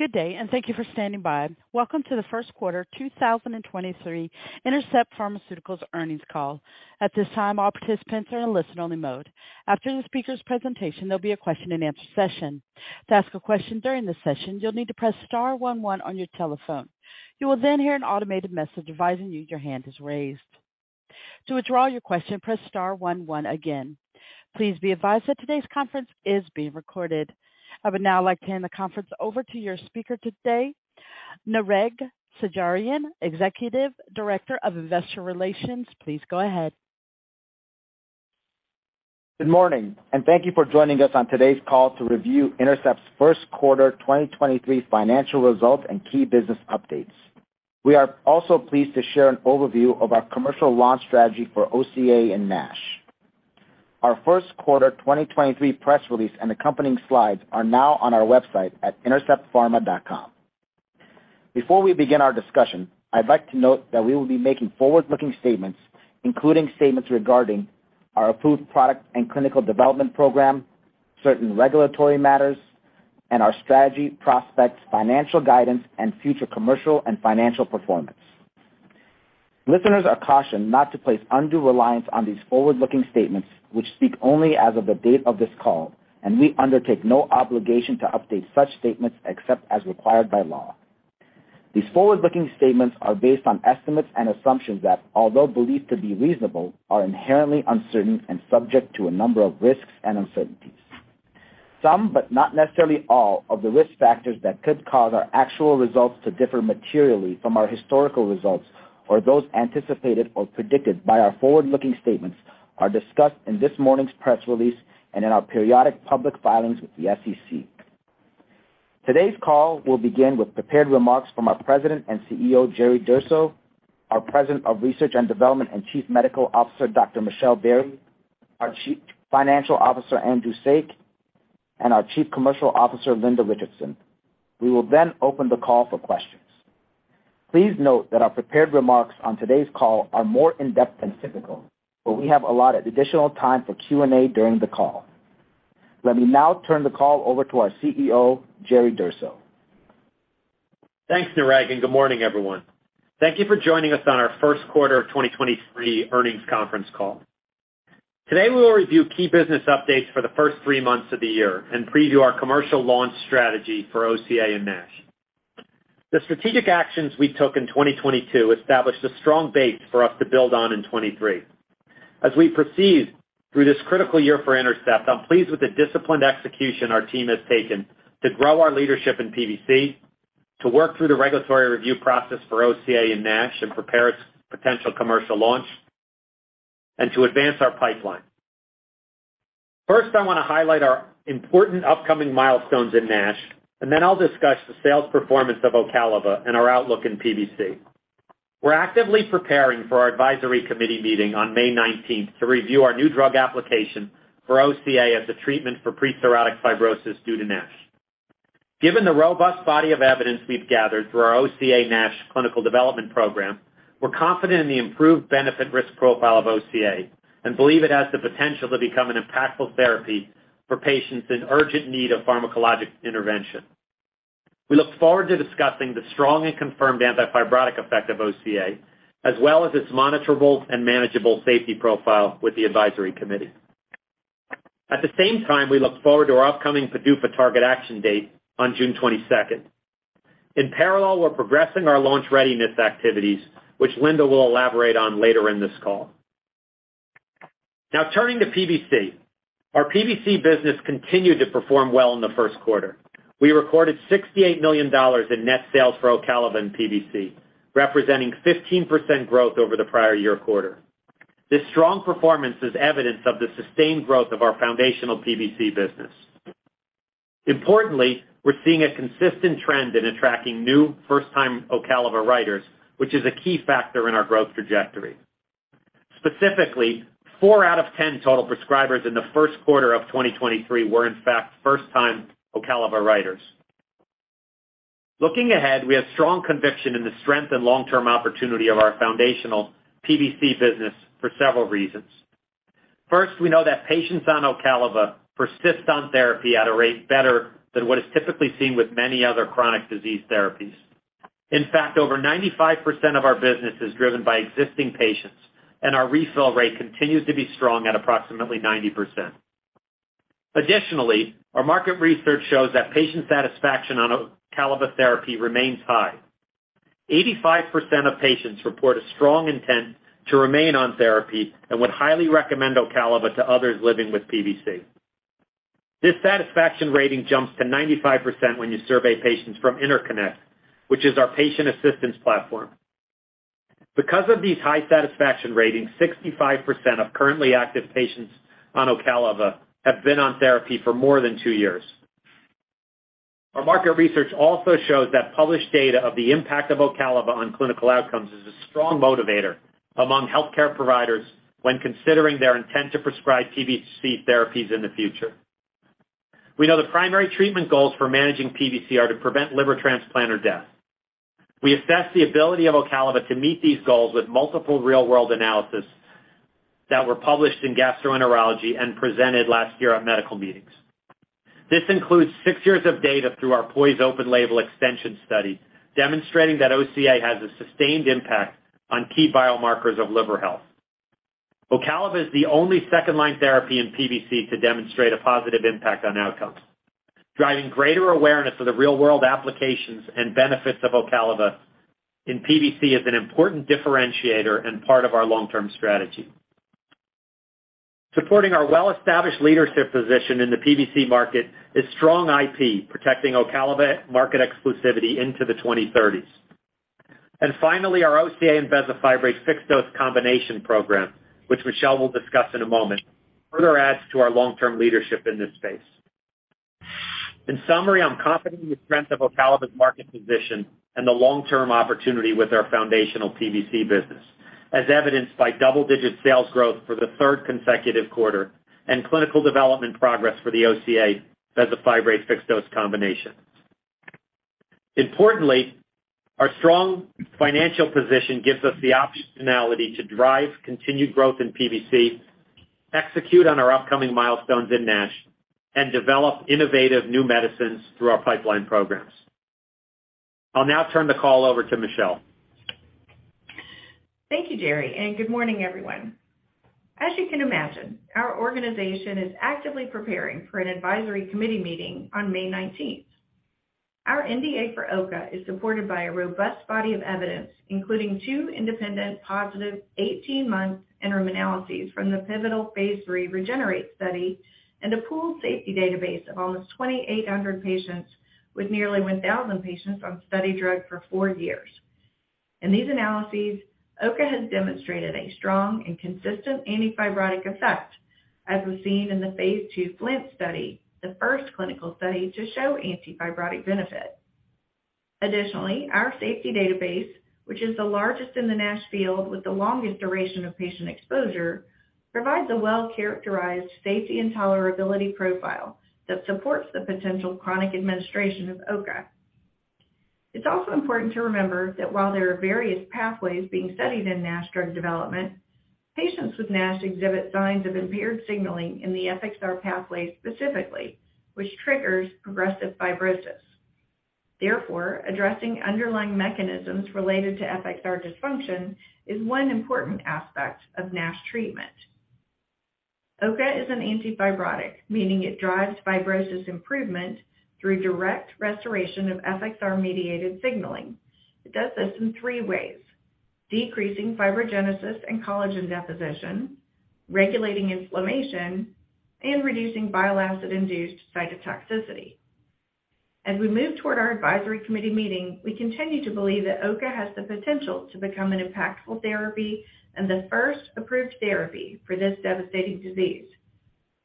Good day. Thank you for standing by. Welcome to The Q1 2023 Intercept Pharmaceuticals Earnings Call. At this time, all participants are in listen only mode. After the speaker's presentation, there'll be a question and answer session. To ask a question during this session, you'll need to press star one one on your telephone. You will hear an automated message advising you your hand is raised. To withdraw your question, press star one one again. Please be advised that today's conference is being recorded. I would now like to hand the conference over to your speaker today, Nareg Sagherian, Executive Director of Investor Relations. Please go ahead. Good morning, and thank you for joining us on today's call to review Intercept's Q1 2023 financial results and key business updates. We are also pleased to share an overview of our commercial launch strategy for OCA and NASH. Our Q1 2023 press release and accompanying slides are now on our website at interceptpharma.com. Before we begin our discussion, I'd like to note that we will be making forward-looking statements, including statements regarding our approved product and clinical development program, certain regulatory matters, and our strategy, prospects, financial guidance, and future commercial and financial performance. Listeners are cautioned not to place undue reliance on these forward-looking statements which speak only as of the date of this call, and we undertake no obligation to update such statements except as required by law. These forward-looking statements are based on estimates and assumptions that, although believed to be reasonable, are inherently uncertain and subject to a number of risks and uncertainties. Some but not necessarily all of the risk factors that could cause our actual results to differ materially from our historical results or those anticipated or predicted by our forward-looking statements are discussed in this morning's press release and in our periodic public filings with the SEC. Today's call will begin with prepared remarks from our President and CEO, Jerry Durso, our President of Research and Development and Chief Medical Officer, Dr. Michelle Berrey, our Chief Financial Officer, Andrew Saik, and our Chief Commercial Officer, Linda Richardson. We will then open the call for questions. Please note that our prepared remarks on today's call are more in-depth than typical, but we have allotted additional time for Q&A during the call. Let me now turn the call over to our CEO, Jerry Durso. Thanks, Nareg. Good morning, everyone. Thank you for joining us on our Q1 of 2023 earnings conference call. Today, we will review key business updates for the first three months of the year and preview our commercial launch strategy for OCA and NASH. The strategic actions we took in 2022 established a strong base for us to build on in 2023. As we proceed through this critical year for Intercept, I'm pleased with the disciplined execution our team has taken to grow our leadership in PBC, to work through the regulatory review process for OCA and NASH and prepare its potential commercial launch, and to advance our pipeline. First, I wanna highlight our important upcoming milestones in NASH, and then I'll discuss the sales performance of Ocaliva and our outlook in PBC. We're actively preparing for our advisory committee meeting on May 19th to review our new drug application for OCA as a treatment for pre-cirrhotic fibrosis due to NASH. Given the robust body of evidence we've gathered through our OCA NASH clinical development program, we're confident in the improved benefit risk profile of OCA and believe it has the potential to become an impactful therapy for patients in urgent need of pharmacologic intervention. We look forward to discussing the strong and confirmed anti-fibrotic effect of OCA, as well as its monitorable and manageable safety profile with the advisory committee. At the same time, we look forward to our upcoming PDUFA target action date on June 22nd. In parallel, we're progressing our launch readiness activities, which Linda will elaborate on later in this call. Turning to PBC. Our PBC business continued to perform well in the Q1. We recorded $68 million in net sales for Ocaliva in PBC, representing 15% growth over the prior year quarter. This strong performance is evidence of the sustained growth of our foundational PBC business. Importantly, we're seeing a consistent trend in attracting new first-time Ocaliva writers, which is a key factor in our growth trajectory. Specifically, four out of 10 total prescribers in the Q1 of 2023 were, in fact, first-time Ocaliva writers. Looking ahead, we have strong conviction in the strength and long-term opportunity of our foundational PBC business for several reasons. First, we know that patients on Ocaliva persist on therapy at a rate better than what is typically seen with many other chronic disease therapies. In fact, over 95% of our business is driven by existing patients, and our refill rate continues to be strong at approximately 90%. Additionally, our market research shows that patient satisfaction on Ocaliva therapy remains high. 85% of patients report a strong intent to remain on therapy and would highly recommend Ocaliva to others living with PBC. This satisfaction rating jumps to 95% when you survey patients from Interconnect, which is our patient assistance platform. Because of these high satisfaction ratings, 65% of currently active patients on Ocaliva have been on therapy for more than two years. Our market research also shows that published data of the impact of Ocaliva on clinical outcomes is a strong motivator among healthcare providers when considering their intent to prescribe PBC therapies in the future. We know the primary treatment goals for managing PBC are to prevent liver transplant or death. We assess the ability of Ocaliva to meet these goals with multiple real-world analyses that were published in Gastroenterology and presented last year at medical meetings. This includes six years of data through our POISE open label extension study, demonstrating that OCA has a sustained impact on key biomarkers of liver health. Ocaliva is the only second line therapy in PBC to demonstrate a positive impact on outcomes, driving greater awareness of the real-world applications and benefits of Ocaliva in PBC as an important differentiator and part of our long-term strategy. Supporting our well-established leadership position in the PBC market is strong IP, protecting Ocaliva market exclusivity into the 2030s. Finally, our OCA and bezafibrate fixed-dose combination program, which Michelle will discuss in a moment, further adds to our long-term leadership in this space. In summary, I'm confident in the strength of Ocaliva's market position and the long-term opportunity with our foundational PBC business, as evidenced by double-digit sales growth for the third consecutive quarter and clinical development progress for the OCA bezafibrate fixed-dose combination. Importantly, our strong financial position gives us the optionality to drive continued growth in PBC, execute on our upcoming milestones in NASH, and develop innovative new medicines through our pipeline programs. I'll now turn the call over to Michelle. Thank you, Jerry. Good morning, everyone. As you can imagine, our organization is actively preparing for an advisory committee meeting on May 19th. Our NDA for OCA is supported by a robust body of evidence, including two independent positive 18-month interim analyses from the pivotal phase III REGENERATE study and a pooled safety database of almost 2,800 patients with nearly 1,000 patients on study drug for four years. In these analyses, OCA has demonstrated a strong and consistent antifibrotic effect, as was seen in the phase II FLINT study, the first clinical study to show antifibrotic benefit. Our safety database, which is the largest in the NASH field with the longest duration of patient exposure, provides a well-characterized safety and tolerability profile that supports the potential chronic administration of OCA. It's also important to remember that while there are various pathways being studied in NASH drug development, patients with NASH exhibit signs of impaired signaling in the FXR pathway specifically, which triggers progressive fibrosis. Therefore, addressing underlying mechanisms related to FXR dysfunction is one important aspect of NASH treatment. OCA is an antifibrotic, meaning it drives fibrosis improvement through direct restoration of FXR-mediated signaling. It does this in three ways: decreasing fibrogenesis and collagen deposition, regulating inflammation, and reducing bile acid-induced cytotoxicity. As we move toward our advisory committee meeting, we continue to believe that OCA has the potential to become an impactful therapy and the first approved therapy for this devastating disease.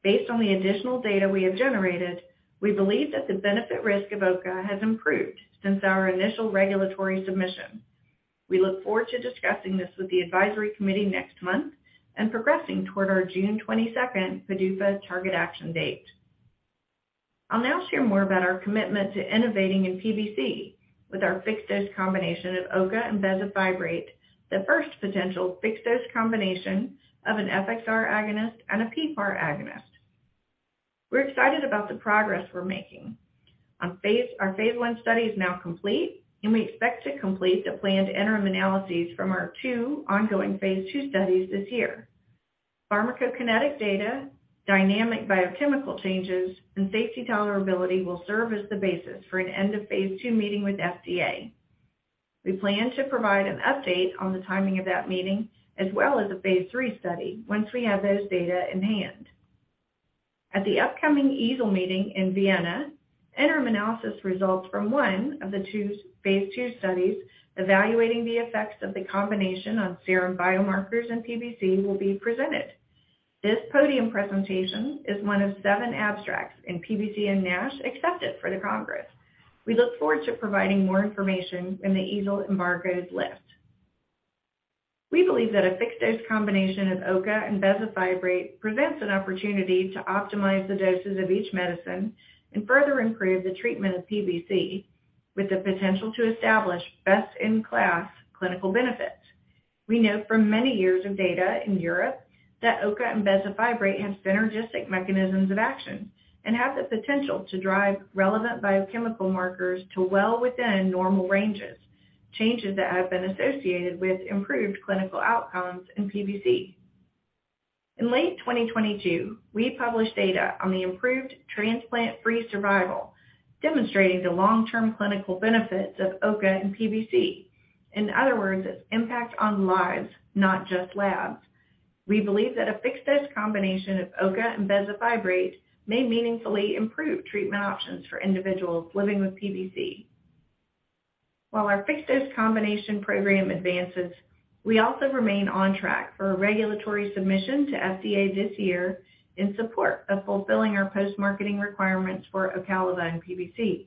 Based on the additional data we have generated, we believe that the benefit-risk of OCA has improved since our initial regulatory submission. We look forward to discussing this with the advisory committee next month and progressing toward our June 22nd PDUFA target action date. I'll now share more about our commitment to innovating in PBC with our fixed-dose combination of OCA and bezafibrate, the first potential fixed-dose combination of an FXR agonist and a PPAR agonist. We're excited about the progress we're making. Our phase I study is now complete, and we expect to complete the planned interim analyses from our two ongoing phase II studies this year. Pharmacokinetic data, dynamic biochemical changes, and safety tolerability will serve as the basis for an end of phase II meeting with FDA. We plan to provide an update on the timing of that meeting, as well as a phase III study once we have those data in hand. At the upcoming EASL meeting in Vienna, interim analysis results from one of the two phase II studies evaluating the effects of the combination on serum biomarkers in PBC will be presented. This podium presentation is one of seven abstracts in PBC and NASH accepted for the congress. We look forward to providing more information in the EASL embargoes list. We believe that a fixed-dose combination of OCA and bezafibrate presents an opportunity to optimize the doses of each medicine and further improve the treatment of PBC with the potential to establish best-in-class clinical benefits. We know from many years of data in Europe that OCA and bezafibrate have synergistic mechanisms of action and have the potential to drive relevant biochemical markers to well within normal ranges, changes that have been associated with improved clinical outcomes in PBC. In late 2022, we published data on the improved transplant-free survival, demonstrating the long-term clinical benefits of OCA in PBC. In other words, its impact on lives, not just labs. We believe that a fixed-dose combination of OCA and bezafibrate may meaningfully improve treatment options for individuals living with PBC. While our fixed-dose combination program advances, we also remain on track for a regulatory submission to FDA this year in support of fulfilling our post-marketing requirements for Ocaliva and PBC.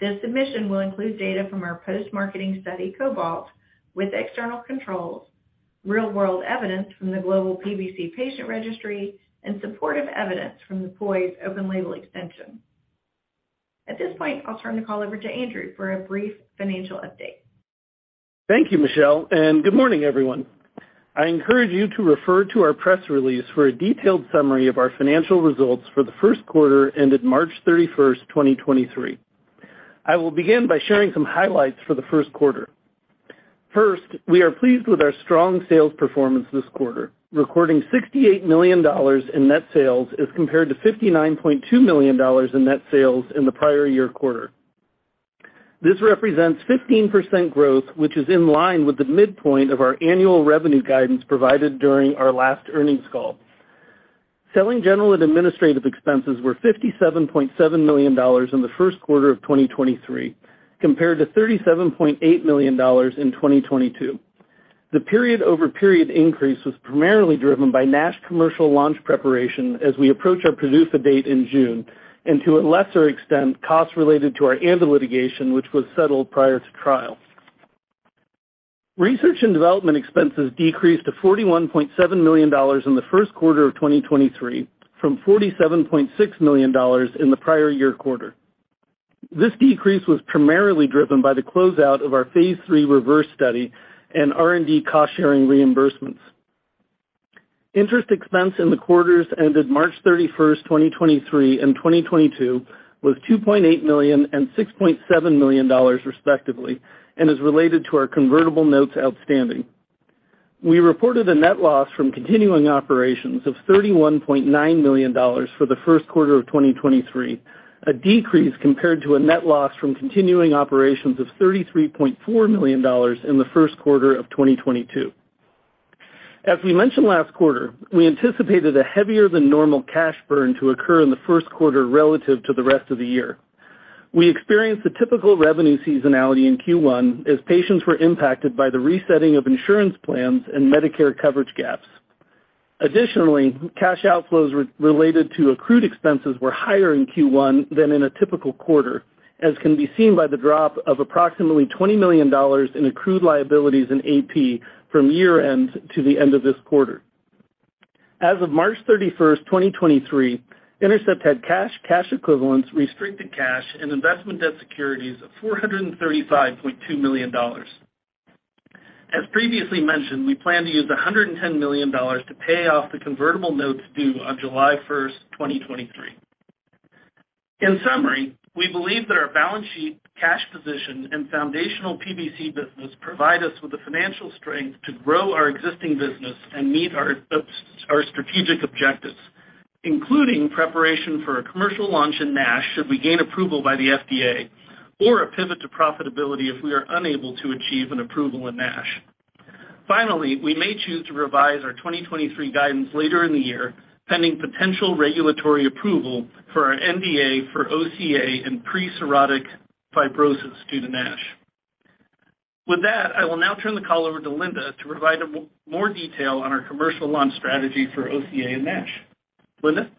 This submission will include data from our post-marketing study, COBALT, with external controls real-world evidence from the global PBC patient registry and supportive evidence from the POISE open-label extension. At this point, I'll turn the call over to Andrew for a brief financial update. Thank you, Michelle. Good morning, everyone. I encourage you to refer to our press release for a detailed summary of our financial results for the Q1 ended March 31st, 2023. I will begin by sharing some highlights for the Q1. First, we are pleased with our strong sales performance this quarter, recording $68 million in net sales as compared to $59.2 million in net sales in the prior year quarter. This represents 15% growth, which is in line with the midpoint of our annual revenue guidance provided during our last earnings call. Selling, general, and administrative expenses were $57.7 million in the Q1 of 2023, compared to $37.8 million in 2022. The period-over-period increase was primarily driven by NASH commercial launch preparation as we approach our PDUFA date in June and, to a lesser extent, costs related to our ANDA litigation, which was settled prior to trial. Research and development expenses decreased to $41.7 million in the Q1 of 2023 from $47.6 million in the prior year quarter. This decrease was primarily driven by the closeout of our phase 3 REVERSE study and R&D cost-sharing reimbursements. Interest expense in the quarters ended March 31, 2023 and 2022 was $2.8 million and $6.7 million, respectively, and is related to our convertible notes outstanding. We reported a net loss from continuing operations of $31.9 million for the Q1 of 2023, a decrease compared to a net loss from continuing operations of $33.4 million in the Q1 of 2022. As we mentioned last quarter, we anticipated a heavier than normal cash burn to occur in the Q1 relative to the rest of the year. We experienced a typical revenue seasonality in Q1 as patients were impacted by the resetting of insurance plans and Medicare coverage gaps. Cash outflows related to accrued expenses were higher in Q1 than in a typical quarter, as can be seen by the drop of approximately $20 million in accrued liabilities in AP from year-end to the end of this quarter. As of March 31st, 2023, Intercept had cash equivalents, restricted cash, and investment debt securities of $435.2 million. As previously mentioned, we plan to use $110 million to pay off the convertible notes due on July 1st, 2023. In summary, we believe that our balance sheet, cash position, and foundational PBC business provide us with the financial strength to grow our existing business and meet our strategic objectives, including preparation for a commercial launch in NASH should we gain approval by the FDA or a pivot to profitability if we are unable to achieve an approval in NASH. Finally, we may choose to revise our 2023 guidance later in the year, pending potential regulatory approval for our NDA for OCA in pre-cirrhotic fibrosis due to NASH. With that, I will now turn the call over to Linda to provide more detail on our commercial launch strategy for OCA and NASH. Linda?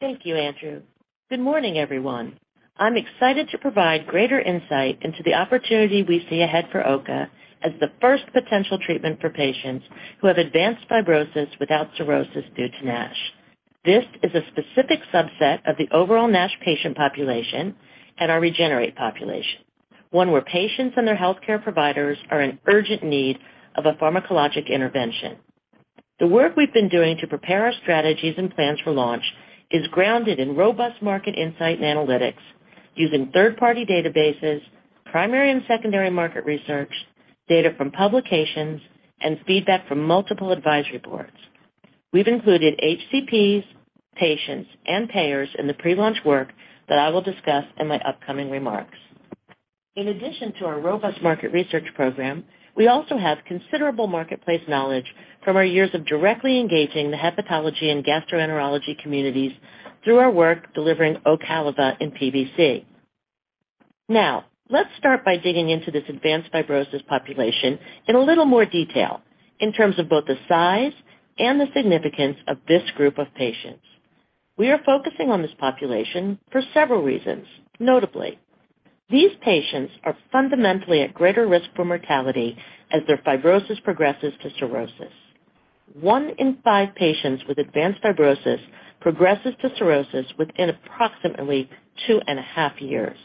Thank you, Andrew. Good morning, everyone. I'm excited to provide greater insight into the opportunity we see ahead for OCA as the first potential treatment for patients who have advanced fibrosis without cirrhosis due to NASH. This is a specific subset of the overall NASH patient population and our REGENERATE population, one where patients and their healthcare providers are in urgent need of a pharmacologic intervention. The work we've been doing to prepare our strategies and plans for launch is grounded in robust market insight and analytics using third-party databases, primary and secondary market research, data from publications, and feedback from multiple advisory boards. We've included HCPs, patients, and payers in the pre-launch work that I will discuss in my upcoming remarks. In addition to our robust market research program, we also have considerable marketplace knowledge from our years of directly engaging the hepatology and gastroenterology communities through our work delivering Ocaliva and PBC. Let's start by digging into this advanced fibrosis population in a little more detail in terms of both the size and the significance of this group of patients. We are focusing on this population for several reasons. Notably, these patients are fundamentally at greater risk for mortality as their fibrosis progresses to cirrhosis. One in five patients with advanced fibrosis progresses to cirrhosis within approximately 2.5 years.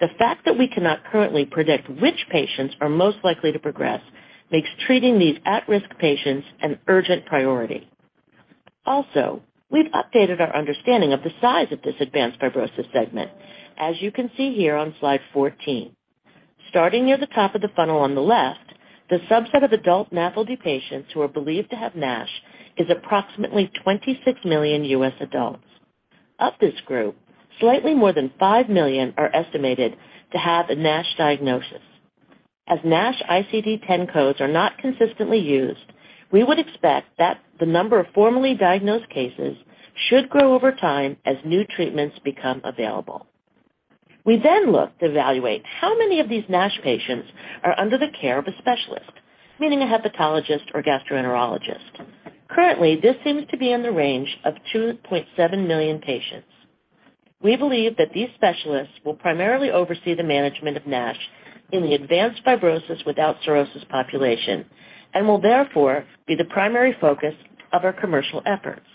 The fact that we cannot currently predict which patients are most likely to progress makes treating these at-risk patients an urgent priority. We've updated our understanding of the size of this advanced fibrosis segment, as you can see here on slide 14. Starting near the top of the funnel on the left, the subset of adult NAFLD patients who are believed to have NASH is approximately 26 million US adults. Of this group, slightly more than 5 million are estimated to have a NASH diagnosis. As NASH ICD-10 codes are not consistently used, we would expect that the number of formally diagnosed cases should grow over time as new treatments become available. We look to evaluate how many of these NASH patients are under the care of a specialist, meaning a hepatologist or gastroenterologist. Currently, this seems to be in the range of 2.7 million patients. We believe that these specialists will primarily oversee the management of NASH in the advanced fibrosis without cirrhosis population and will therefore be the primary focus of our commercial efforts.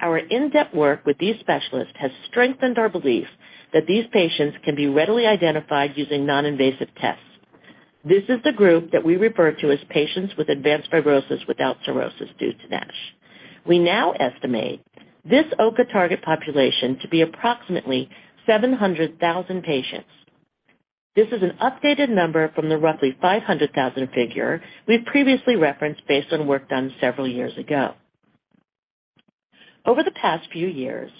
Our in-depth work with these specialists has strengthened our belief that these patients can be readily identified using non-invasive tests. This is the group that we refer to as patients with advanced fibrosis without cirrhosis due to NASH. We now estimate this OCA target population to be approximately 700,000 patients. This is an updated number from the roughly 500,000 figure we previously referenced based on work done several years ago. Over the past few years,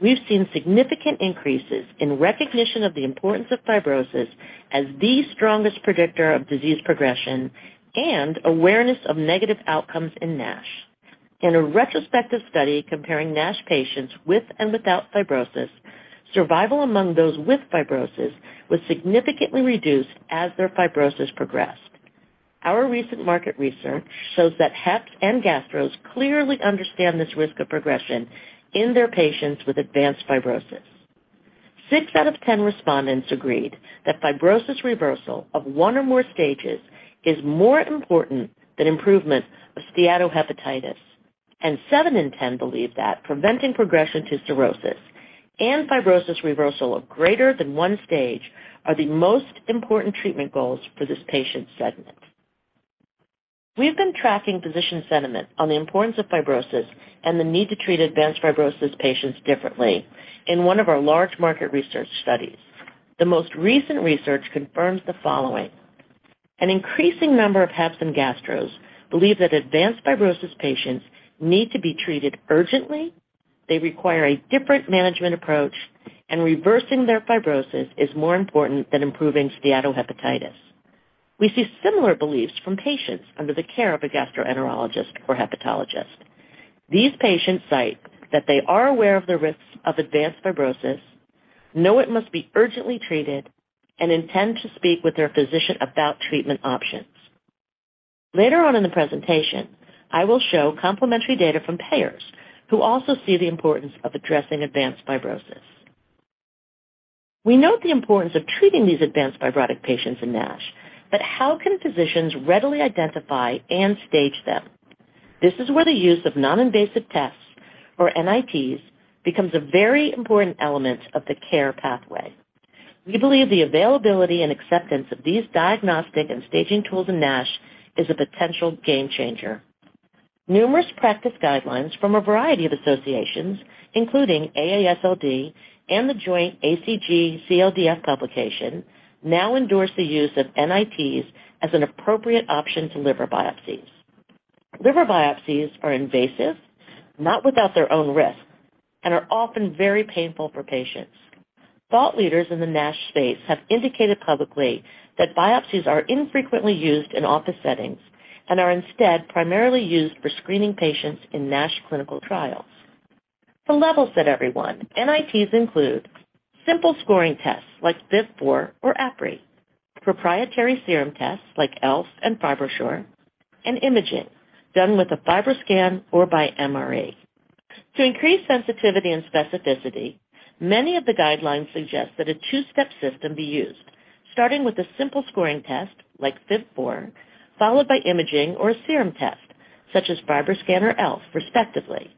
we've seen significant increases in recognition of the importance of fibrosis as the strongest predictor of disease progression and awareness of negative outcomes in NASH. In a retrospective study comparing NASH patients with and without fibrosis, survival among those with fibrosis was significantly reduced as their fibrosis progressed. Our recent market research shows that HCPs and Gastros clearly understand this risk of progression in their patients with advanced fibrosis. Six out of 10 respondents agreed that fibrosis reversal of one or more stages is more important than improvement of steatohepatitis, and seven in 10 believe that preventing progression to cirrhosis and fibrosis reversal of greater than one stage are the most important treatment goals for this patient segment. We've been tracking physician sentiment on the importance of fibrosis and the need to treat advanced fibrosis patients differently in one of our large market research studies. The most recent research confirms the following. An increasing number of HEPs and Gastros believe that advanced fibrosis patients need to be treated urgently, they require a different management approach, and reversing their fibrosis is more important than improving steatohepatitis. We see similar beliefs from patients under the care of a gastroenterologist or hepatologist. These patients cite that they are aware of the risks of advanced fibrosis, know it must be urgently treated, and intend to speak with their physician about treatment options. Later on in the presentation, I will show complementary data from payers who also see the importance of addressing advanced fibrosis. We note the importance of treating these advanced fibrotic patients in NASH, but how can physicians readily identify and stage them? This is where the use of non-invasive tests, or NITs, becomes a very important element of the care pathway. We believe the availability and acceptance of these diagnostic and staging tools in NASH is a potential game changer. Numerous practice guidelines from a variety of associations, including AASLD and the Joint ACG-CLDF Publication, now endorse the use of NITs as an appropriate option to liver biopsies. Liver biopsies are invasive, not without their own risks, and are often very painful for patients. Thought leaders in the NASH space have indicated publicly that biopsies are infrequently used in office settings and are instead primarily used for screening patients in NASH clinical trials. For levels that everyone, NITs include simple scoring tests like FIB-4 or APRI, proprietary serum tests like ELF and FibroSure, and imaging done with a FibroScan or by MRE. To increase sensitivity and specificity, many of the guidelines suggest that a two-step system be used, starting with a simple scoring test like FIB-4, followed by imaging or a serum test such as FibroScan or ELF respectively.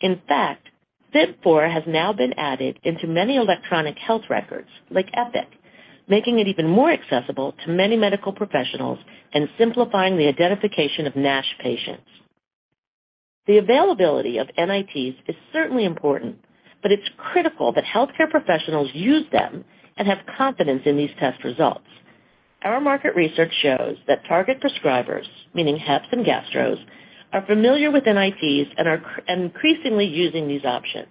In fact, FIB-4 has now been added into many electronic health records like Epic, making it even more accessible to many medical professionals and simplifying the identification of NASH patients. The availability of NITs is certainly important, but it's critical that healthcare professionals use them and have confidence in these test results. Our market research shows that target prescribers, meaning HCPs and Gastros, are familiar with NITs and are increasingly using these options.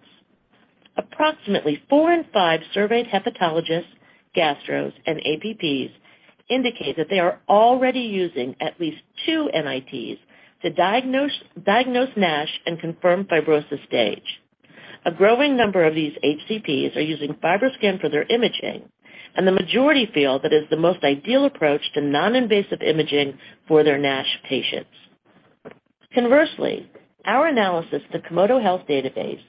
Approximately four in five surveyed hepatologists, Gastros, and APPs indicate that they are already using at least two NITs to diagnose NASH and confirm fibrosis stage. A growing number of these HCPs are using FibroScan for their imaging, and the majority feel that is the most ideal approach to non-invasive imaging for their NASH patients. Conversely, our analysis of the Komodo Health database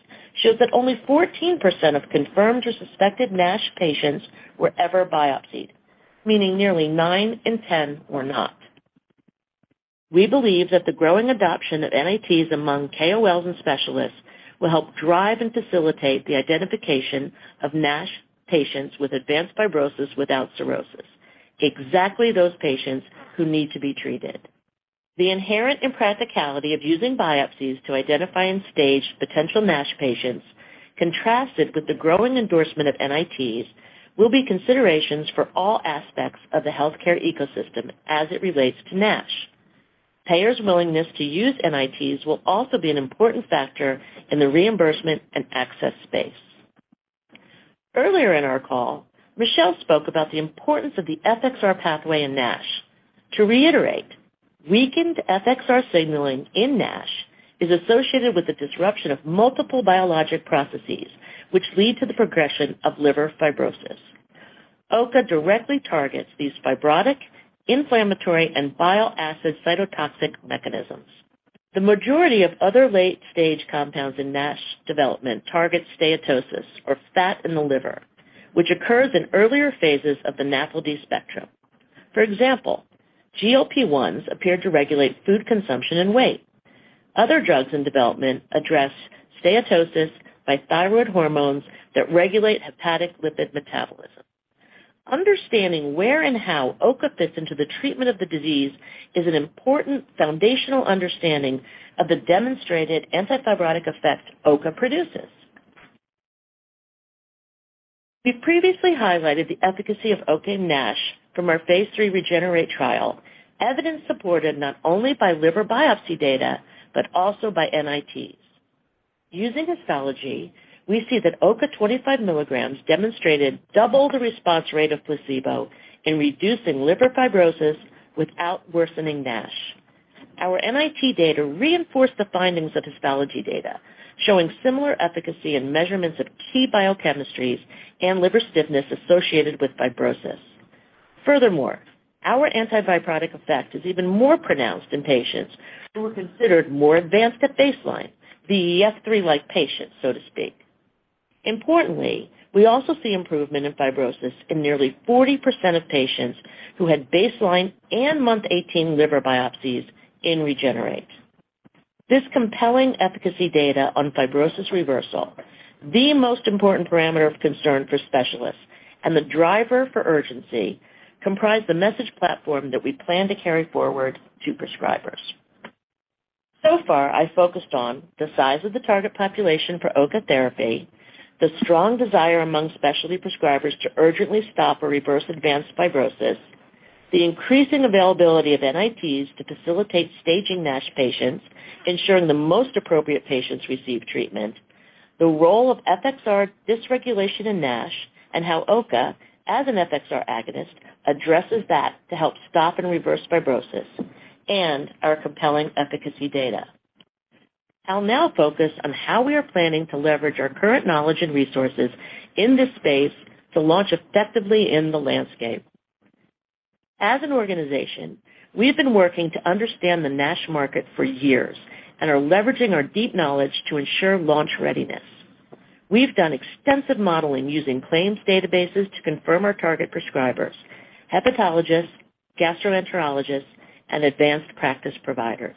shows that only 14% of confirmed or suspected NASH patients were ever biopsied, meaning nearly nine in 10 were not. We believe that the growing adoption of NITs among KOLs and specialists will help drive and facilitate the identification of NASH patients with advanced fibrosis without cirrhosis, exactly those patients who need to be treated. The inherent impracticality of using biopsies to identify and stage potential NASH patients contrasted with the growing endorsement of NITs will be considerations for all aspects of the healthcare ecosystem as it relates to NASH. Payers' willingness to use NITs will also be an important factor in the reimbursement and access space. Earlier in our call, Michelle spoke about the importance of the FXR pathway in NASH. To reiterate, weakened FXR signalling in NASH is associated with the disruption of multiple biologic processes, which lead to the progression of liver fibrosis. OCA directly targets these fibrotic, inflammatory, and bile acid cytotoxic mechanisms. The majority of other late-stage compounds in NASH development target steatosis or fat in the liver, which occurs in earlier phases of the NAFLD spectrum. For example, GLP-1s appear to regulate food consumption and weight. Other drugs in development address steatosis by thyroid hormones that regulate hepatic lipid metabolism. Understanding where and how OCA fits into the treatment of the disease is an important foundational understanding of the demonstrated anti-fibrotic effect OCA produces. We previously highlighted the efficacy of OCA in NASH from our phase III REGENERATE trial, evidence supported not only by liver biopsy data but also by NITs. Using histology, we see that OCA 25 milligrams demonstrated double the response rate of placebo in reducing liver fibrosis without worsening NASH. Our NIT data reinforced the findings of histology data, showing similar efficacy in measurements of key biochemistries and liver stiffness associated with fibrosis. Furthermore, our anti-fibrotic effect is even more pronounced in patients who were considered more advanced at baseline, the F3-like patients, so to speak. Importantly, we also see improvement in fibrosis in nearly 40% of patients who had baseline and month 18 liver biopsies in REGENERATE. This compelling efficacy data on fibrosis reversal, the most important parameter of concern for specialists and the driver for urgency, comprise the message platform that we plan to carry forward to prescribers. So far, I focused on the size of the target population for OCA therapy, the strong desire among specialty prescribers to urgently stop or reverse advanced fibrosis, the increasing availability of NITs to facilitate staging NASH patients, ensuring the most appropriate patients receive treatment, the role of FXR dysregulation in NASH, and how OCA, as an FXR agonist, addresses that to help stop and reverse fibrosis, and our compelling efficacy data. I'll now focus on how we are planning to leverage our current knowledge and resources in this space to launch effectively in the landscape. As an organization, we have been working to understand the NASH market for years and are leveraging our deep knowledge to ensure launch readiness. We've done extensive modeling using claims databases to confirm our target prescribers, hepatologists, gastroenterologists, and Advanced Practice Providers.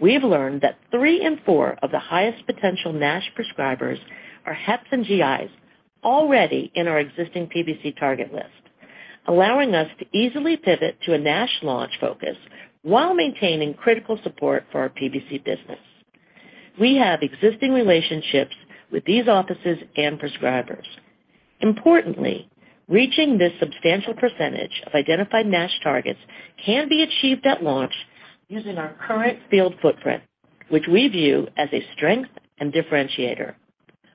We have learned that three in four of the highest potential NASH prescribers are Heps and GIs already in our existing PBC target list, allowing us to easily pivot to a NASH launch focus while maintaining critical support for our PBC business. We have existing relationships with these offices and prescribers. Importantly, reaching this substantial percentage of identified NASH targets can be achieved at launch using our current field footprint, which we view as a strength and differentiator.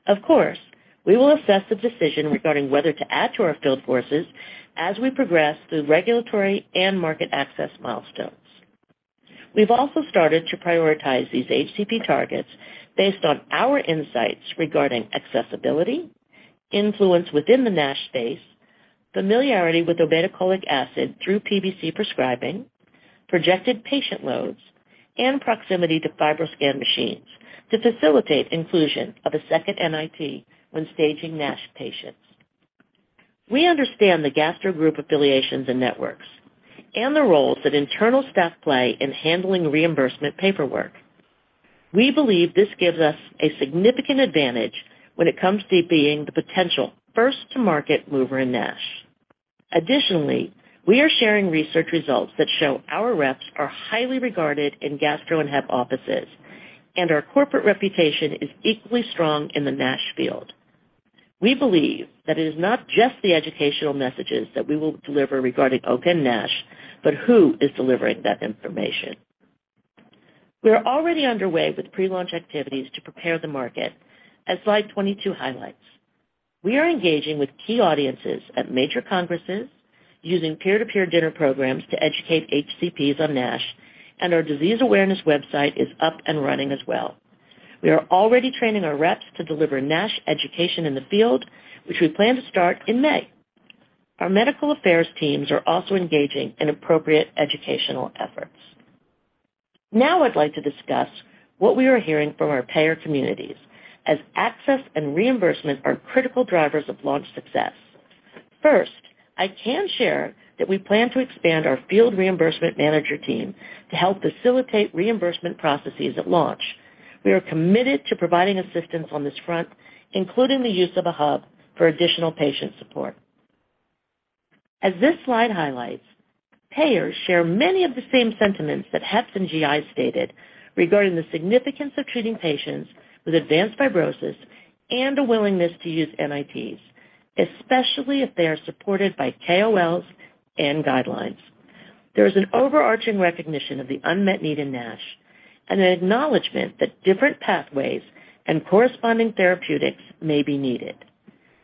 Of course, we will assess the decision regarding whether to add to our field forces as we progress through regulatory and market access milestones. We've also started to prioritize these HCP targets based on our insights regarding accessibility, influence within the NASH space, familiarity with obeticholic acid through PBC prescribing, projected patient loads, and proximity to FibroScan machines to facilitate inclusion of a second NIT when staging NASH patients. We understand the gastro group affiliations and networks and the roles that internal staff play in handling reimbursement paperwork. We believe this gives us a significant advantage when it comes to being the potential first-to-market mover in NASH. Additionally, we are sharing research results that show our reps are highly regarded in gastro and hep offices, and our corporate reputation is equally strong in the NASH field. We believe that it is not just the educational messages that we will deliver regarding OCA in NASH, but who is delivering that information. We are already underway with pre-launch activities to prepare the market, as slide 22 highlights. We are engaging with key audiences at major congresses using peer-to-peer dinner programs to educate HCPs on NASH, and our disease awareness website is up and running as well. We are already training our reps to deliver NASH education in the field, which we plan to start in May. Our medical affairs teams are also engaging in appropriate educational efforts. Now I'd like to discuss what we are hearing from our payer communities as access and reimbursement are critical drivers of launch success. First, I can share that we plan to expand our field reimbursement manager team to help facilitate reimbursement processes at launch. We are committed to providing assistance on this front, including the use of a hub for additional patient support. As this slide highlights, payers share many of the same sentiments that Heps and GIs stated regarding the significance of treating patients with advanced fibrosis and a willingness to use NITs, especially if they are supported by KOLs and guidelines. There is an overarching recognition of the unmet need in NASH and an acknowledgement that different pathways and corresponding therapeutics may be needed.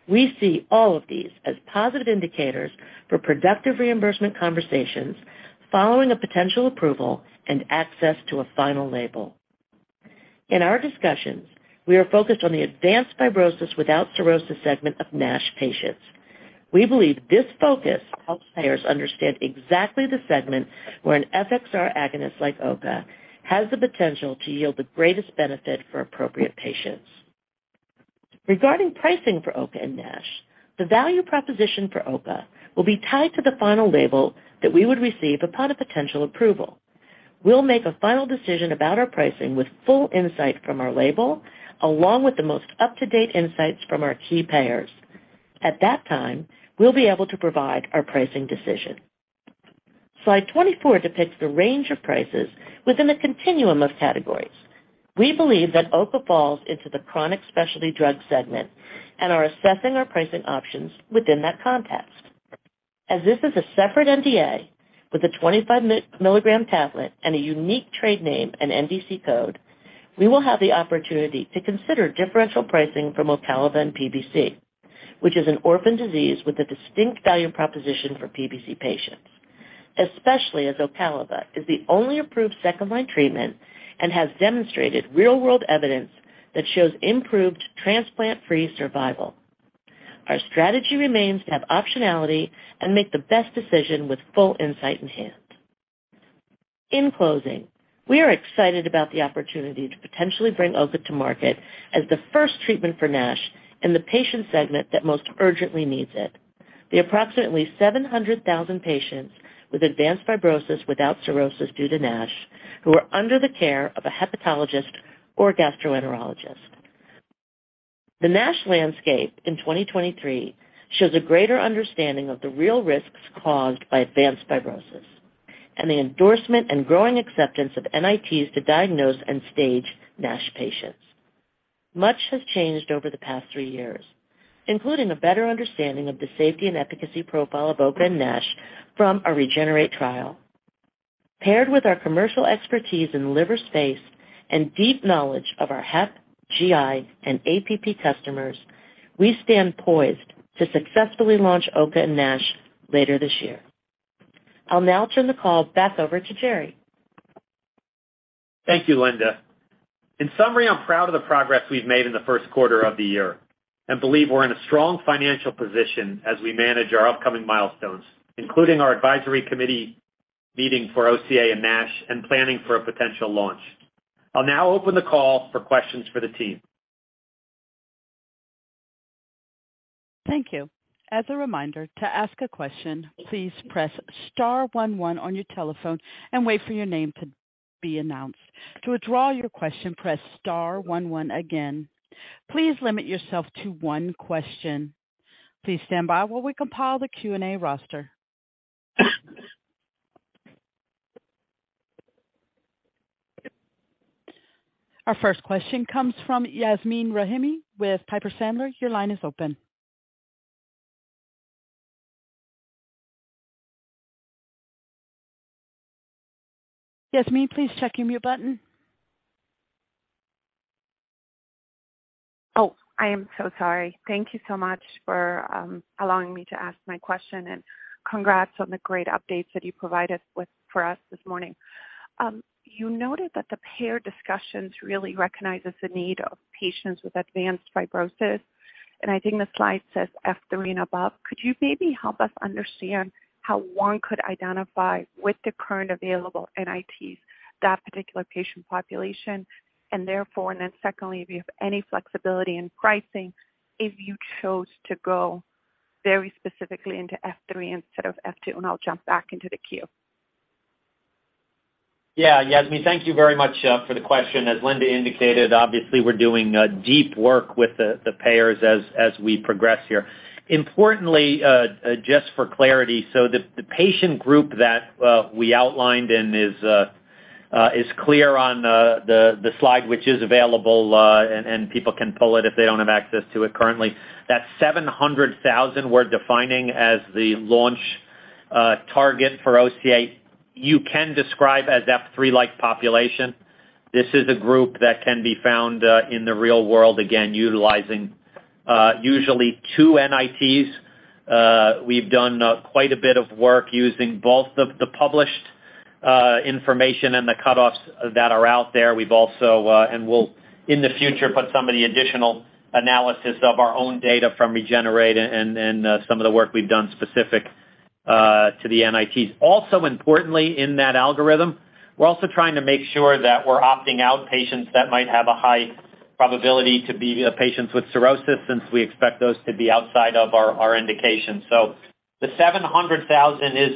We see all of these as positive indicators for productive reimbursement conversations following a potential approval and access to a final label. In our discussions, we are focused on the advanced fibrosis without cirrhosis segment of NASH patients. We believe this focus helps payers understand exactly the segment where an FXR agonist like OCA has the potential to yield the greatest benefit for appropriate patients. Regarding pricing for OCA and NASH, the value proposition for OCA will be tied to the final label that we would receive upon a potential approval. We'll make a final decision about our pricing with full insight from our label, along with the most up-to-date insights from our key payers. At that time, we'll be able to provide our pricing decision. Slide 24 depicts the range of prices within a continuum of categories. We believe that OCA falls into the chronic specialty drug segment and are assessing our pricing options within that context. As this is a separate NDA with a 25 milligram tablet and a unique trade name and NDC code, we will have the opportunity to consider differential pricing from Ocaliva and PBC, which is an orphan disease with a distinct value proposition for PBC patients, especially as Ocaliva is the only approved second-line treatment and has demonstrated real-world evidence that shows improved transplant-free survival. Our strategy remains to have optionality and make the best decision with full insight in hand. In closing, we are excited about the opportunity to potentially bring OCA to market as the first treatment for NASH in the patient segment that most urgently needs it. The approximately 700,000 patients with advanced fibrosis without cirrhosis due to NASH who are under the care of a hepatologist or a gastroenterologist. The NASH landscape in 2023 shows a greater understanding of the real risks caused by advanced fibrosis and the endorsement and growing acceptance of NITs to diagnose and stage NASH patients. Much has changed over the past three years, including a better understanding of the safety and efficacy profile of OCA and NASH from our REGENERATE trial. Paired with our commercial expertise in liver space and deep knowledge of our Hep, GI, and APP customers, we stand poised to successfully launch OCA and NASH later this year. I'll now turn the call back over to Jerry. Thank you, Linda. In summary, I'm proud of the progress we've made in the Q1 of the year and believe we're in a strong financial position as we manage our upcoming milestones, including our advisory committee meeting for OCA and NASH and planning for a potential launch. I'll now open the call for questions for the team. Thank you. As a reminder, to ask a question, please press star one one on your telephone and wait for your name to be announced. To withdraw your question, press star one one again. Please limit yourself to one question. Please stand by while we compile the Q&A roster. Our first question comes from Yasmeen Rahimi with Piper Sandler. Your line is open. Yasmeen, please check your mute button. Oh, I am so sorry. Thank you so much for allowing me to ask my question, and congrats on the great updates that you provided for us this morning. You noted that the payer discussions really recognizes the need of patients with advanced fibrosis, and I think the slide says F3 and above. Could you maybe help us understand how one could identify with the current available NITs that particular patient population? Therefore, and then secondly, if you have any flexibility in pricing, if you chose to go very specifically into F3 instead of F2? I'll jump back into the queue. Yasmeen, thank you very much for the question. As Linda indicated, obviously, we're doing deep work with the payers as we progress here. Just for clarity, the patient group that we outlined and is clear on the slide, which is available, and people can pull it if they don't have access to it currently, that 700,000 we're defining as the launch target for OCA. You can describe as F3 like population. This is a group that can be found in the real world, again, utilizing usually two NITs. We've done quite a bit of work using both the published information and the cut-offs that are out there. We've also, and will in the future, put some of the additional analysis of our own data from REGENERATE and, some of the work we've done specific, to the NITs. Importantly in that algorithm, we're also trying to make sure that we're opting out patients that might have a high probability to be, patients with cirrhosis, since we expect those to be outside of our indication. The 700,000 is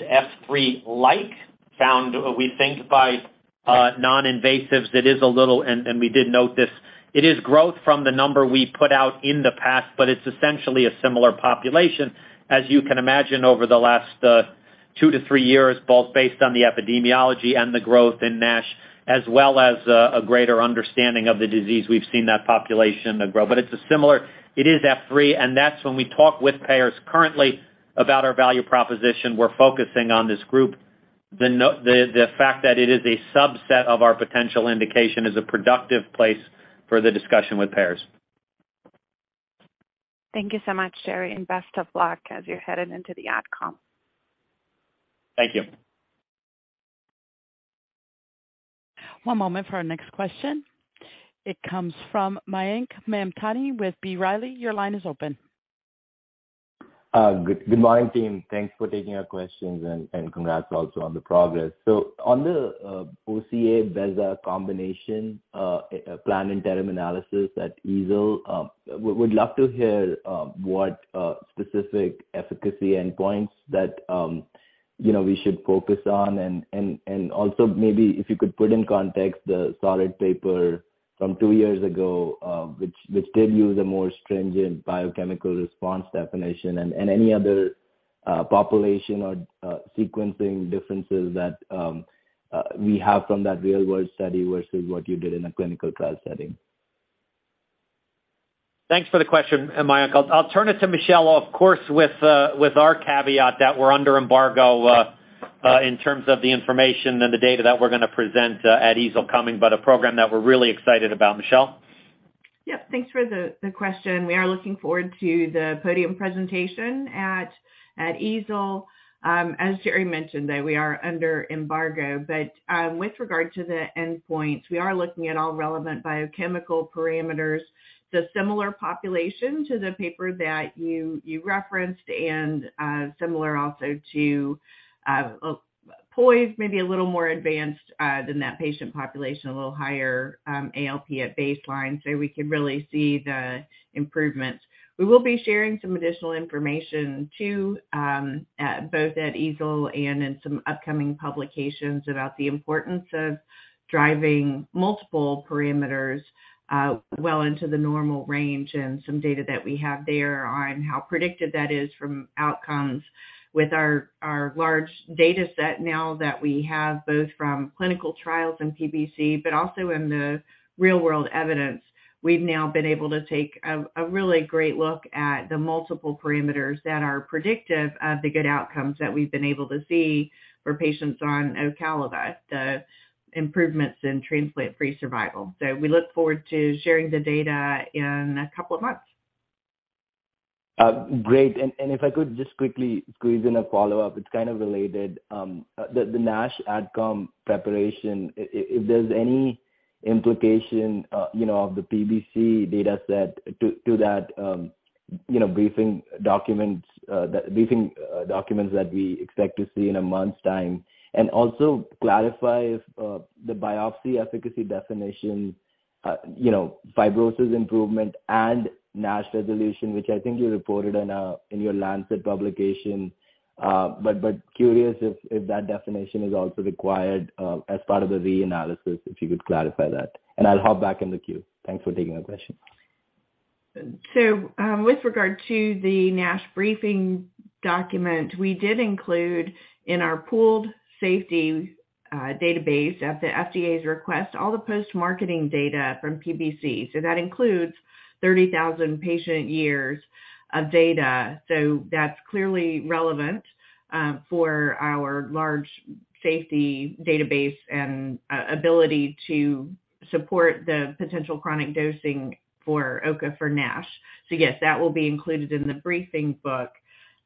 F3 like found, we think, by, non-invasives. It is a little, and we did note this, it is growth from the number we put out in the past, but it's essentially a similar population. As you can imagine, over the last, two to three years, both based on the epidemiology and the growth in NASH, as well as, a greater understanding of the disease, we've seen that population grow. It is F3, and that's when we talk with payers currently about our value proposition, we're focusing on this group. The fact that it is a subset of our potential indication is a productive place for the discussion with payers. Thank you so much, Jerry, and best of luck as you're headed into the AdCom. Thank you. One moment for our next question. It comes from Mayank Mamtani with B. Riley. Your line is open. Good morning, team. Thanks for taking our questions and congrats also on the progress. On the OCA Beza combination, plan interim analysis at EASL, would love to hear what specific efficacy endpoints that, you know, we should focus on and also maybe if you could put in context the SOLAR paper from two years ago, which did use a more stringent biochemical response definition and any other population or sequencing differences that we have from that real-world study versus what you did in a clinical trial setting. Thanks for the question, Mayank. I'll turn it to Michelle, of course, with our caveat that we're under embargo in terms of the information and the data that we're gonna present at EASL coming, but a program that we're really excited about. Michelle? Yep. Thanks for the question. We are looking forward to the podium presentation at EASL. As Jerry mentioned, that we are under embargo. With regard to the endpoints, we are looking at all relevant biochemical parameters, so similar population to the paper that you referenced and similar also to POISE maybe a little more advanced than that patient population, a little higher ALP at baseline, so we can really see the improvements. We will be sharing some additional information too, both at EASL and in some upcoming publications about the importance of driving multiple parameters well into the normal range and some data that we have there on how predictive that is from outcomes with our large data set now that we have both from clinical trials in PBC, but also in the real-world evidence. We've now been able to take a really great look at the multiple parameters that are predictive of the good outcomes that we've been able to see for patients on Ocaliva, the improvements in transplant-free survival. We look forward to sharing the data in a couple of months. Great. If I could just quickly squeeze in a follow-up, it's kind of related. The NASH AdCom preparation, if there's any implication, you know, of the PBC data set to that, you know, briefing document, briefing documents that we expect to see in a month's time. Also clarify if the biopsy efficacy definition, you know, fibrosis improvement and NASH resolution, which I think you reported in your Lancet publication. Curious if that definition is also required, as part of the reanalysis, if you could clarify that. I'll hop back in the queue. Thanks for taking my question. With regard to the NASH briefing document, we did include in our pooled safety database at the FDA's request, all the post-marketing data from PBC. That includes 30,000 patient years of data. That's clearly relevant for our large safety database and ability to support the potential chronic dosing for OCA for NASH. Yes, that will be included in the briefing book.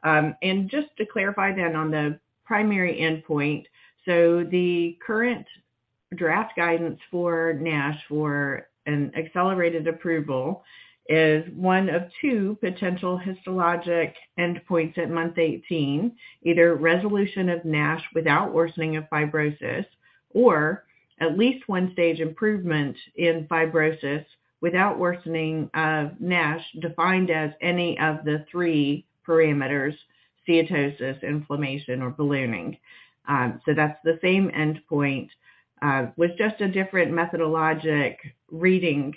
Just to clarify then on the primary endpoint, the current draft guidance for NASH for an accelerated approval is 1 of 2 potential histologic endpoints at month 18, either resolution of NASH without worsening of fibrosis or at least 1 stage improvement in fibrosis without worsening of NASH, defined as any of the 3 parameters, steatosis, inflammation, or ballooning. That's the same endpoint with just a different methodologic reading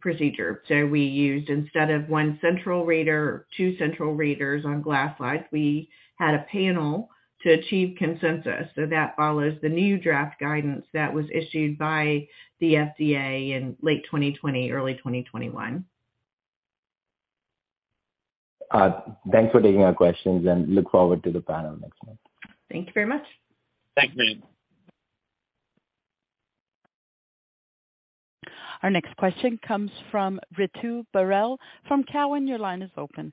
procedure. We used, instead of one central reader, two central readers on glass slides. We had a panel to achieve consensus. That follows the new draft guidance that was issued by the FDA in late 2020, early 2021. Thanks for taking our questions, and look forward to the panel next month. Thank you very much. Thanks, Mayank. Our next question comes from Ritu Baral from Cowen. Your line is open.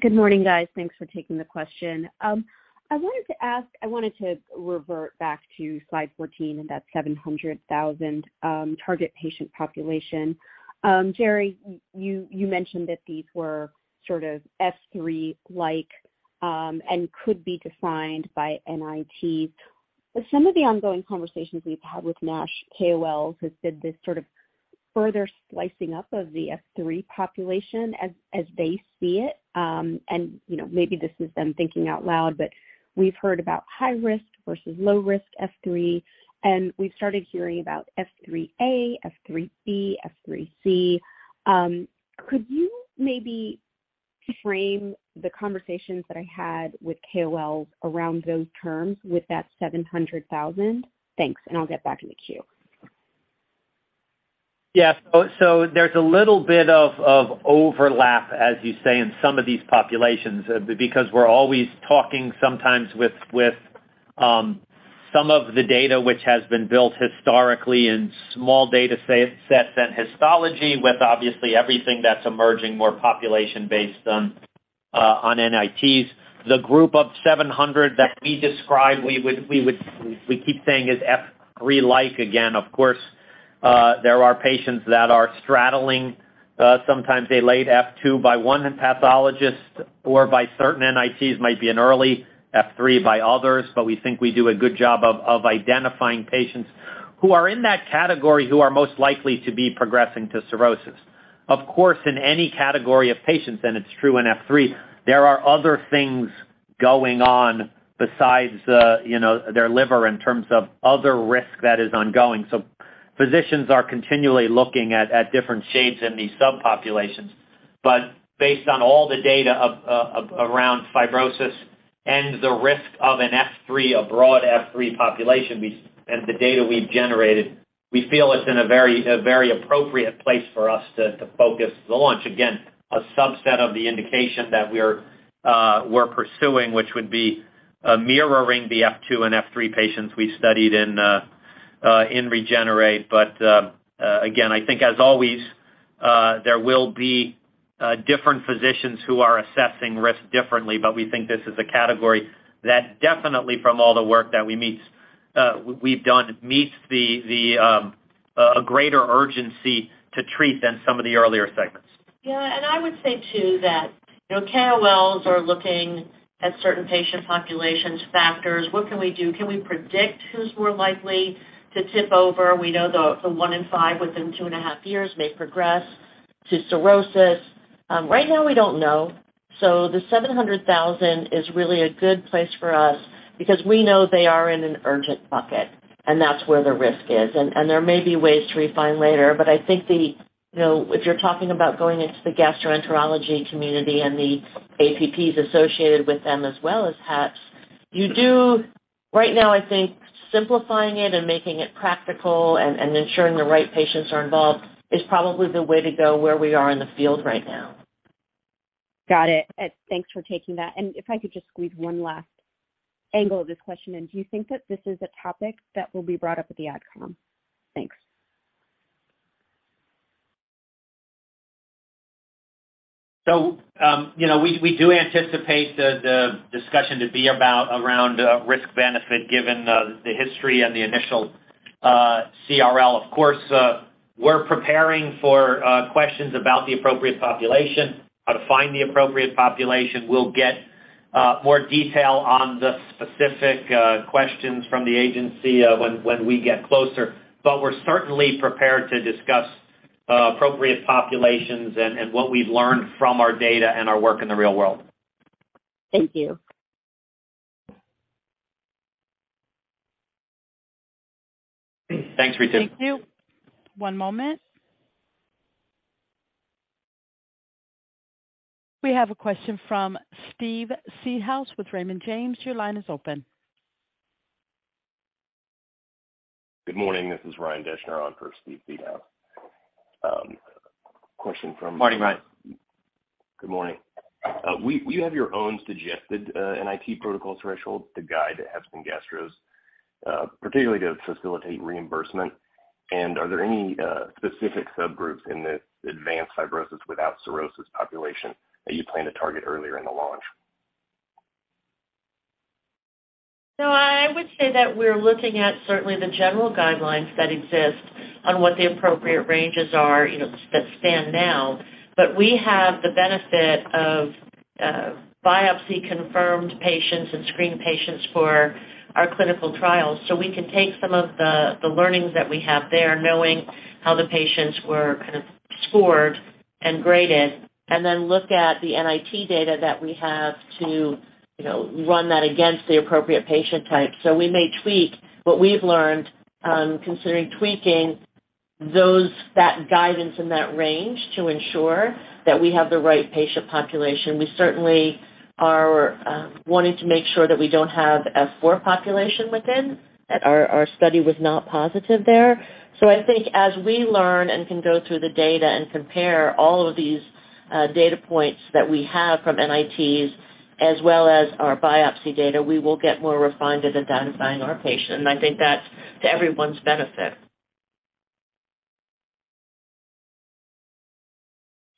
Good morning, guys. Thanks for taking the question. I wanted to revert back to slide 14 and that 700,000 target patient population. Jerry, you mentioned that these were sort of S3 like and could be defined by NIT. Some of the ongoing conversations we've had with NASH KOLs has been this sort of further slicing up of the S3 population as they see it. You know, maybe this is them thinking out loud, but we've heard about high risk versus low risk S3, and we've started hearing about S3A, S3B, S3C. Could you maybe frame the conversations that I had with KOLs around those terms with that 700,000? Thanks, I'll get back in the queue. There's a little bit of overlap, as you say, in some of these populations because we're always talking sometimes with Some of the data which has been built historically in small data sets and histology with obviously everything that's emerging more population-based on NITs. The group of 700 that we describe, we keep saying is F three like again, of course, there are patients that are straddling. Sometimes a late F two by one pathologist or by certain NITs might be an early F three by others, but we think we do a good job of identifying patients who are in that category who are most likely to be progressing to cirrhosis. Of course, in any category of patients, and it's true in F3, there are other things going on besides, you know, their liver in terms of other risk that is ongoing. Physicians are continually looking at different shades in these subpopulations. Based on all the data of, around fibrosis and the risk of an F3, a broad F3 population, and the data we've generated, we feel it's in a very, a very appropriate place for us to focus the launch. Again, a subset of the indication that we're pursuing, which would be, mirroring the F2 and F3 patients we studied in REGENERATE. Again, I think as always, there will be different physicians who are assessing risk differently, but we think this is a category that definitely from all the work that we meet, we've done meets the, a greater urgency to treat than some of the earlier segments. Yeah. I would say too that, you know, KOLs are looking at certain patient populations factors. What can we do? Can we predict who's more likely to tip over? We know the one in five within 2.5 years may progress to cirrhosis. Right now we don't know. The 700,000 is really a good place for us because we know they are in an urgent bucket, and that's where the risk is. There may be ways to refine later, but I think, you know, if you're talking about going into the gastroenterology community and the APPs associated with them as well as HCPs, you do right now I think simplifying it and making it practical and ensuring the right patients are involved is probably the way to go where we are in the field right now. Got it. Thanks for taking that. If I could just squeeze one last angle of this question in. Do you think that this is a topic that will be brought up at the AdCom? Thanks. You know, we do anticipate the discussion to be about around risk benefit given the history and the initial CRL. Of course, we're preparing for questions about the appropriate population, how to find the appropriate population. We'll get more detail on the specific questions from the agency when we get closer. We're certainly prepared to discuss appropriate populations and what we've learned from our data and our work in the real world. Thank you. Thanks, Rita. Thank you. One moment. We have a question from Steve Seedhouse with Raymond James. Your line is open. Good morning. This is Ryan Deschner on for Steve Seedhouse. Morning, Ryan. Good morning. Do you have your own suggested, NIT protocol threshold to guide hep and gastros, particularly to facilitate reimbursement? Are there any, specific subgroups in this advanced fibrosis without cirrhosis population that you plan to target earlier in the launch? I would say that we're looking at certainly the general guidelines that exist on what the appropriate ranges are, you know, that stand now. We have the benefit of biopsy confirmed patients and screen patients for our clinical trials. We can take some of the learnings that we have there, knowing how the patients were kind of scored and graded, and then look at the NIT data that we have to, you know, run that against the appropriate patient type. We may tweak what we've learned, considering tweaking that guidance and that range to ensure that we have the right patient population. We certainly are wanting to make sure that we don't have F4 population within, that our study was not positive there. I think as we learn and can go through the data and compare all of these data points that we have from NITs as well as our biopsy data, we will get more refined at identifying our patient. I think that's to everyone's benefit.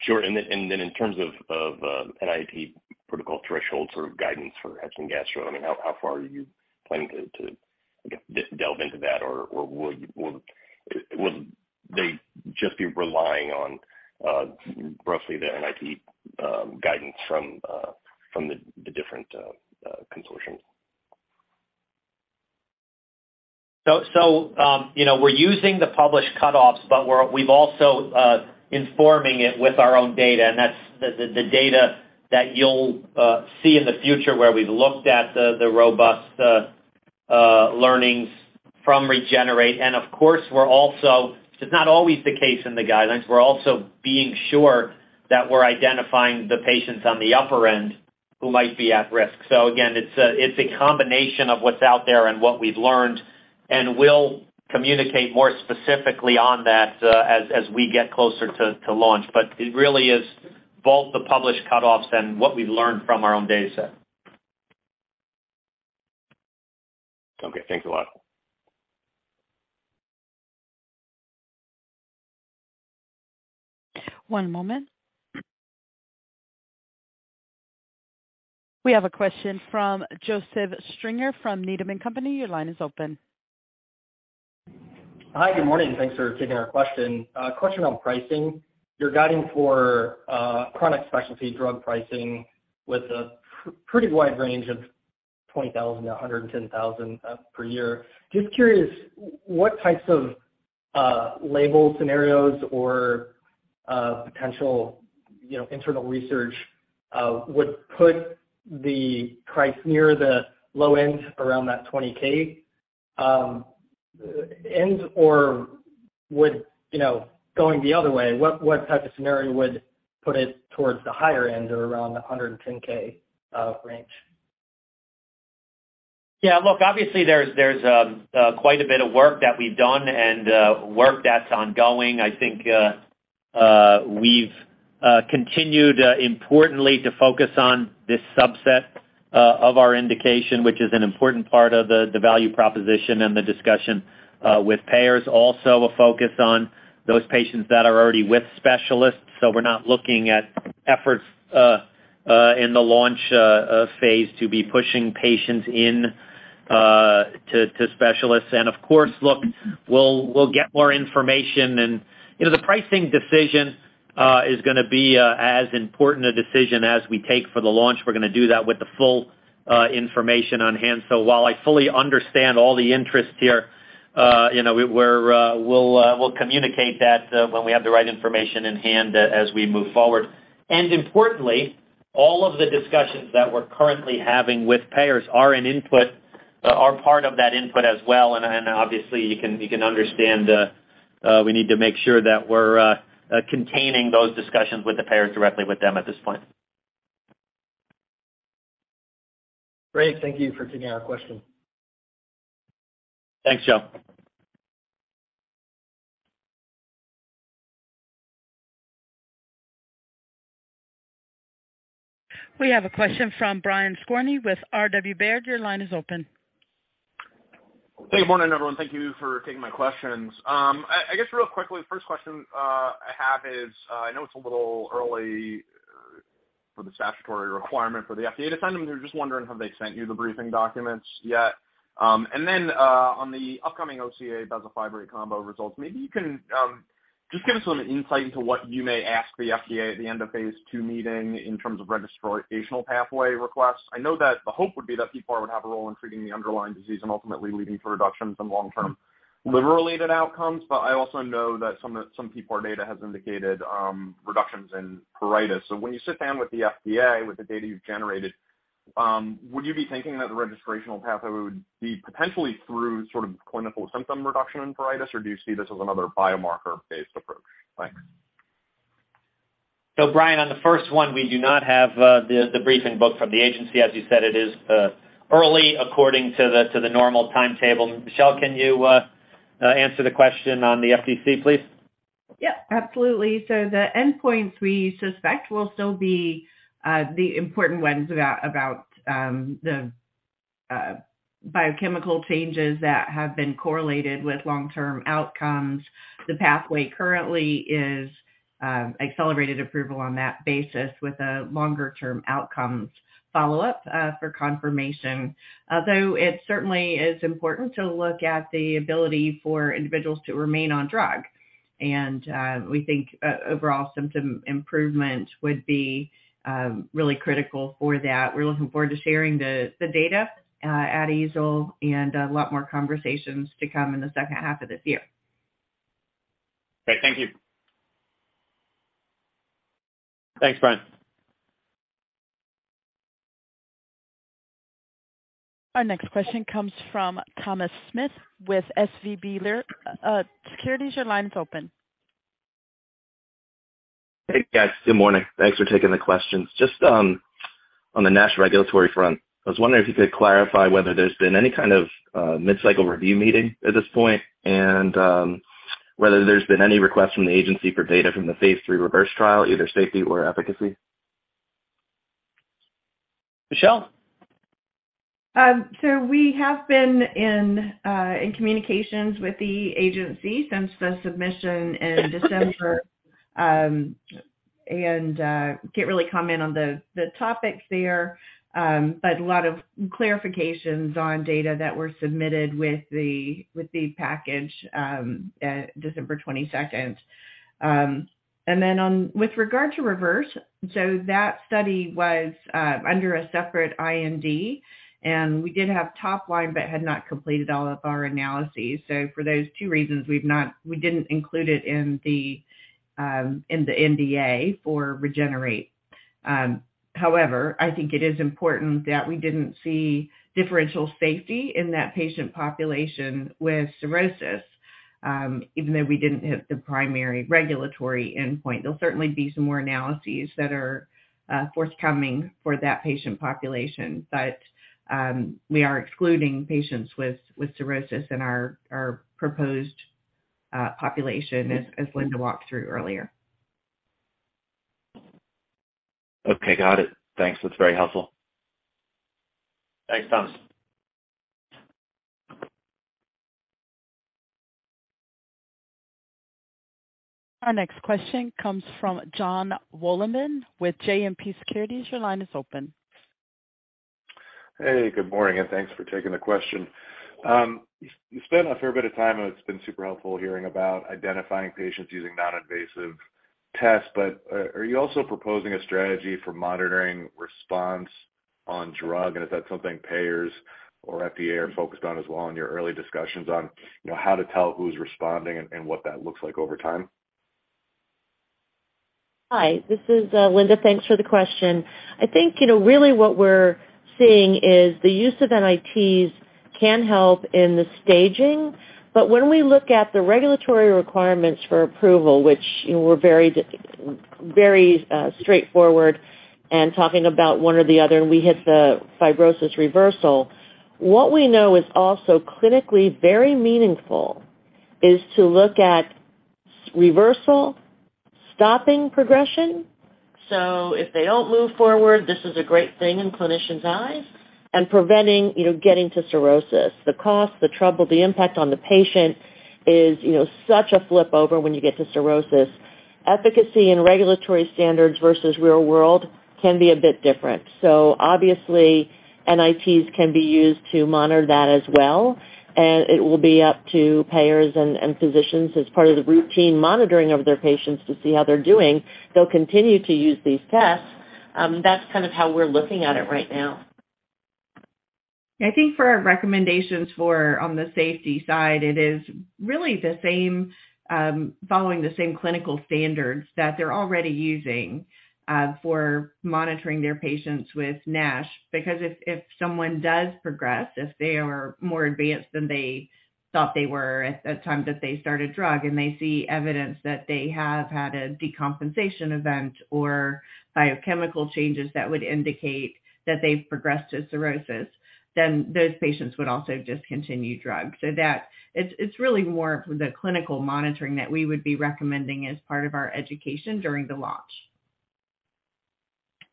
Sure. Then in terms of NIT protocol thresholds or guidance for hep and gastro, I mean, how far are you planning to, I guess, delve into that or will they just be relying on roughly the NIT guidance from the different consortiums? you know, we're using the published cutoffs, but we've also informing it with our own data, and that's the data that you'll see in the future where we've looked at the robust learnings from REGENERATE. Of course, it's not always the case in the guidelines. We're also being sure that we're identifying the patients on the upper end who might be at risk. Again, it's a combination of what's out there and what we've learned. We'll communicate more specifically on that as we get closer to launch. It really is both the published cutoffs and what we've learned from our own data set. Okay, thanks a lot. One moment. We have a question from Joseph Stringer from Needham & Company. Your line is open. Hi, good morning. Thanks for taking our question. A question on pricing. You're guiding for, chronic specialty drug pricing with a pretty wide range of $20,000 to $110,000 per year. Just curious, what types of label scenarios or potential, you know, internal research would put the price near the low end around that $20K ends? Would, you know, going the other way, what type of scenario would put it towards the higher end or around the $110K range? Yeah, look, obviously there's quite a bit of work that we've done and work that's ongoing. I think we've continued importantly to focus on this subset of our indication, which is an important part of the value proposition and the discussion with payers. Also a focus on those patients that are already with specialists. We're not looking at efforts in the launch phase to be pushing patients into specialists. Of course, look, we'll get more information and, you know, the pricing decision is gonna be as important a decision as we take for the launch. We're gonna do that with the full information on hand. While I fully understand all the interest here, you know, we'll communicate that when we have the right information in hand as we move forward. Importantly, all of the discussions that we're currently having with payers are an input, are part of that input as well. Obviously, you can understand, we need to make sure that we're containing those discussions with the payers directly with them at this point. Great. Thank you for taking our question. Thanks, Joe. We have a question from Brian Skorney with Robert W. Baird. Your line is open. Good morning, everyone. Thank you for taking my questions. I guess real quickly, first question I have is I know it's a little early for the statutory requirement for the FDA to send them. I'm just wondering, have they sent you the briefing documents yet? On the upcoming OCA bezafibrate combo results, maybe you can just give us some insight into what you may ask the FDA at the end of phase two meeting in terms of registrational pathway requests. I know that the hope would be that PPAR would have a role in treating the underlying disease and ultimately leading to reductions in long-term liver-related outcomes. I also know that some PPAR data has indicated reductions in pruritus. When you sit down with the FDA with the data you've generated, would you be thinking that the registrational pathway would be potentially through sort of clinical symptom reduction in pruritus, or do you see this as another biomarker-based approach? Thanks. Brian, on the first one, we do not have the briefing book from the agency. As you said, it is early according to the normal timetable. Michelle, can you answer the question on the FTC, please? Yeah, absolutely. The endpoints we suspect will still be the important ones about the biochemical changes that have been correlated with long-term outcomes. The pathway currently is accelerated approval on that basis with a longer term outcomes follow-up for confirmation. Although it certainly is important to look at the ability for individuals to remain on drug. We think overall symptom improvement would be really critical for that. We're looking forward to sharing the data at EASL and a lot more conversations to come in the second half of this year. Great. Thank you. Thanks, Brian. Our next question comes from Thomas Smith with SVB Securities. Securities, your line is open. Hey, guys. Good morning. Thanks for taking the questions. Just on the NASH regulatory front, I was wondering if you could clarify whether there's been any kind of mid-cycle review meeting at this point, and whether there's been any request from the agency for data from the phase 3 REVERSE trial, either safety or efficacy? Michelle. We have been in communications with the agency since the submission in December. Can't really comment on the topics there. A lot of clarifications on data that were submitted with the package at December 22nd. With regard to REVERSE, that study was under a separate IND, and we did have top line, but had not completed all of our analyses. For those two reasons, we didn't include it in the NDA for REGENERATE. However, I think it is important that we didn't see differential safety in that patient population with cirrhosis. Even though we didn't hit the primary regulatory endpoint, there'll certainly be some more analyses that are forthcoming for that patient population. We are excluding patients with cirrhosis in our proposed population as Linda walked through earlier. Okay, got it. Thanks. That's very helpful. Thanks, Thomas. Our next question comes from Jonathan Wolleben with JMP Securities. Your line is open. Hey, good morning, and thanks for taking the question. You spent a fair bit of time, and it's been super helpful hearing about identifying patients using non-invasive tests. Are you also proposing a strategy for monitoring response on drug? Is that something payers or FDA are focused on as well in your early discussions on, you know, how to tell who's responding and what that looks like over time? Hi, this is Linda. Thanks for the question. I think, you know, really what we're seeing is the use of NITs can help in the staging. When we look at the regulatory requirements for approval, which, you know, we're very straightforward and talking about one or the other, and we hit the fibrosis reversal, what we know is also clinically very meaningful is to look at reversal, stopping progression. If they don't move forward, this is a great thing in clinicians' eyes, and preventing, you know, getting to cirrhosis. The cost, the trouble, the impact on the patient is, you know, such a flip over when you get to cirrhosis. Efficacy and regulatory standards versus real world can be a bit different. Obviously, NITs can be used to monitor that as well, and it will be up to payers and physicians as part of the routine monitoring of their patients to see how they're doing. They'll continue to use these tests. That's kind of how we're looking at it right now. I think for our recommendations for on the safety side, it is really the same, following the same clinical standards that they're already using, for monitoring their patients with NASH. If someone does progress, if they are more advanced than they thought they were at the time that they started drug, and they see evidence that they have had a decompensation event or biochemical changes that would indicate that they've progressed to cirrhosis, then those patients would also discontinue drug. It's really more of the clinical monitoring that we would be recommending as part of our education during the launch.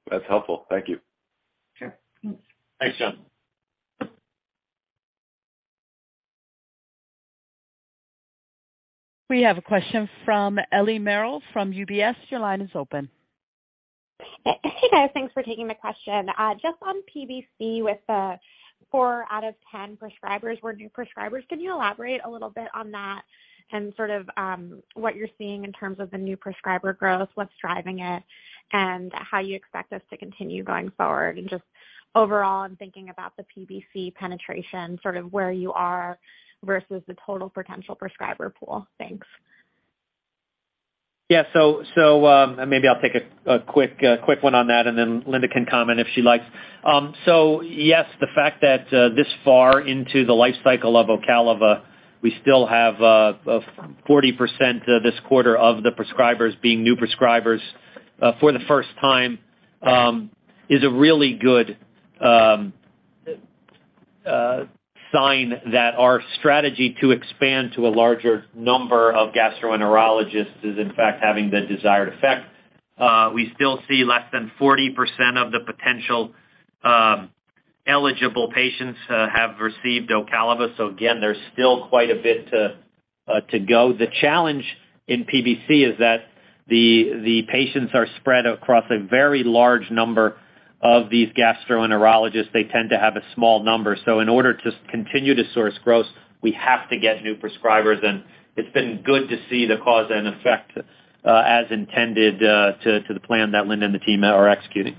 That's helpful. Thank you. Sure. Thanks. Thanks, John. We have a question from Ellie Merle from UBS. Your line is open. Hey, guys, thanks for taking the question. Just on PBC with the 4 out of 10 prescribers were new prescribers, can you elaborate a little bit on that and sort of, what you're seeing in terms of the new prescriber growth, what's driving it, and how you expect this to continue going forward? Just overall, I'm thinking about the PBC penetration, sort of where you are versus the total potential prescriber pool. Thanks. Yeah. Maybe I'll take a quick one on that, then Linda can comment if she likes. Yes, the fact that this far into the life cycle of Ocaliva, we still have 40% of this quarter of the prescribers being new prescribers for the first time, is a really good sign that our strategy to expand to a larger number of gastroenterologists is in fact having the desired effect. We still see less than 40% of the potential eligible patients have received Ocaliva. Again, there's still quite a bit to go. The challenge in PBC is that the patients are spread across a very large number of these gastroenterologists. They tend to have a small number. In order to continue to source growth, we have to get new prescribers, and it's been good to see the cause and effect, as intended, to the plan that Linda and the team are executing.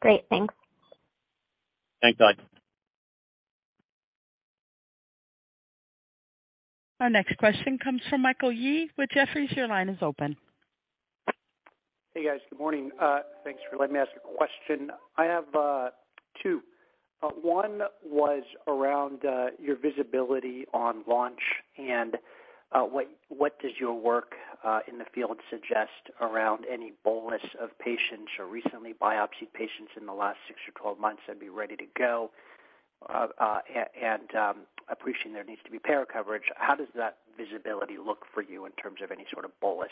Great. Thanks. Thanks, Ellie. Our next question comes from Michael Yee with Jefferies. Your line is open. Hey, guys. Good morning. Thanks for letting me ask a question. I have 2. One was around your visibility on launch and what does your work in the field suggest around any bolus of patients or recently biopsied patients in the last 6 or 12 months that'd be ready to go? And, appreciating there needs to be payer coverage, how does that visibility look for you in terms of any sort of bolus?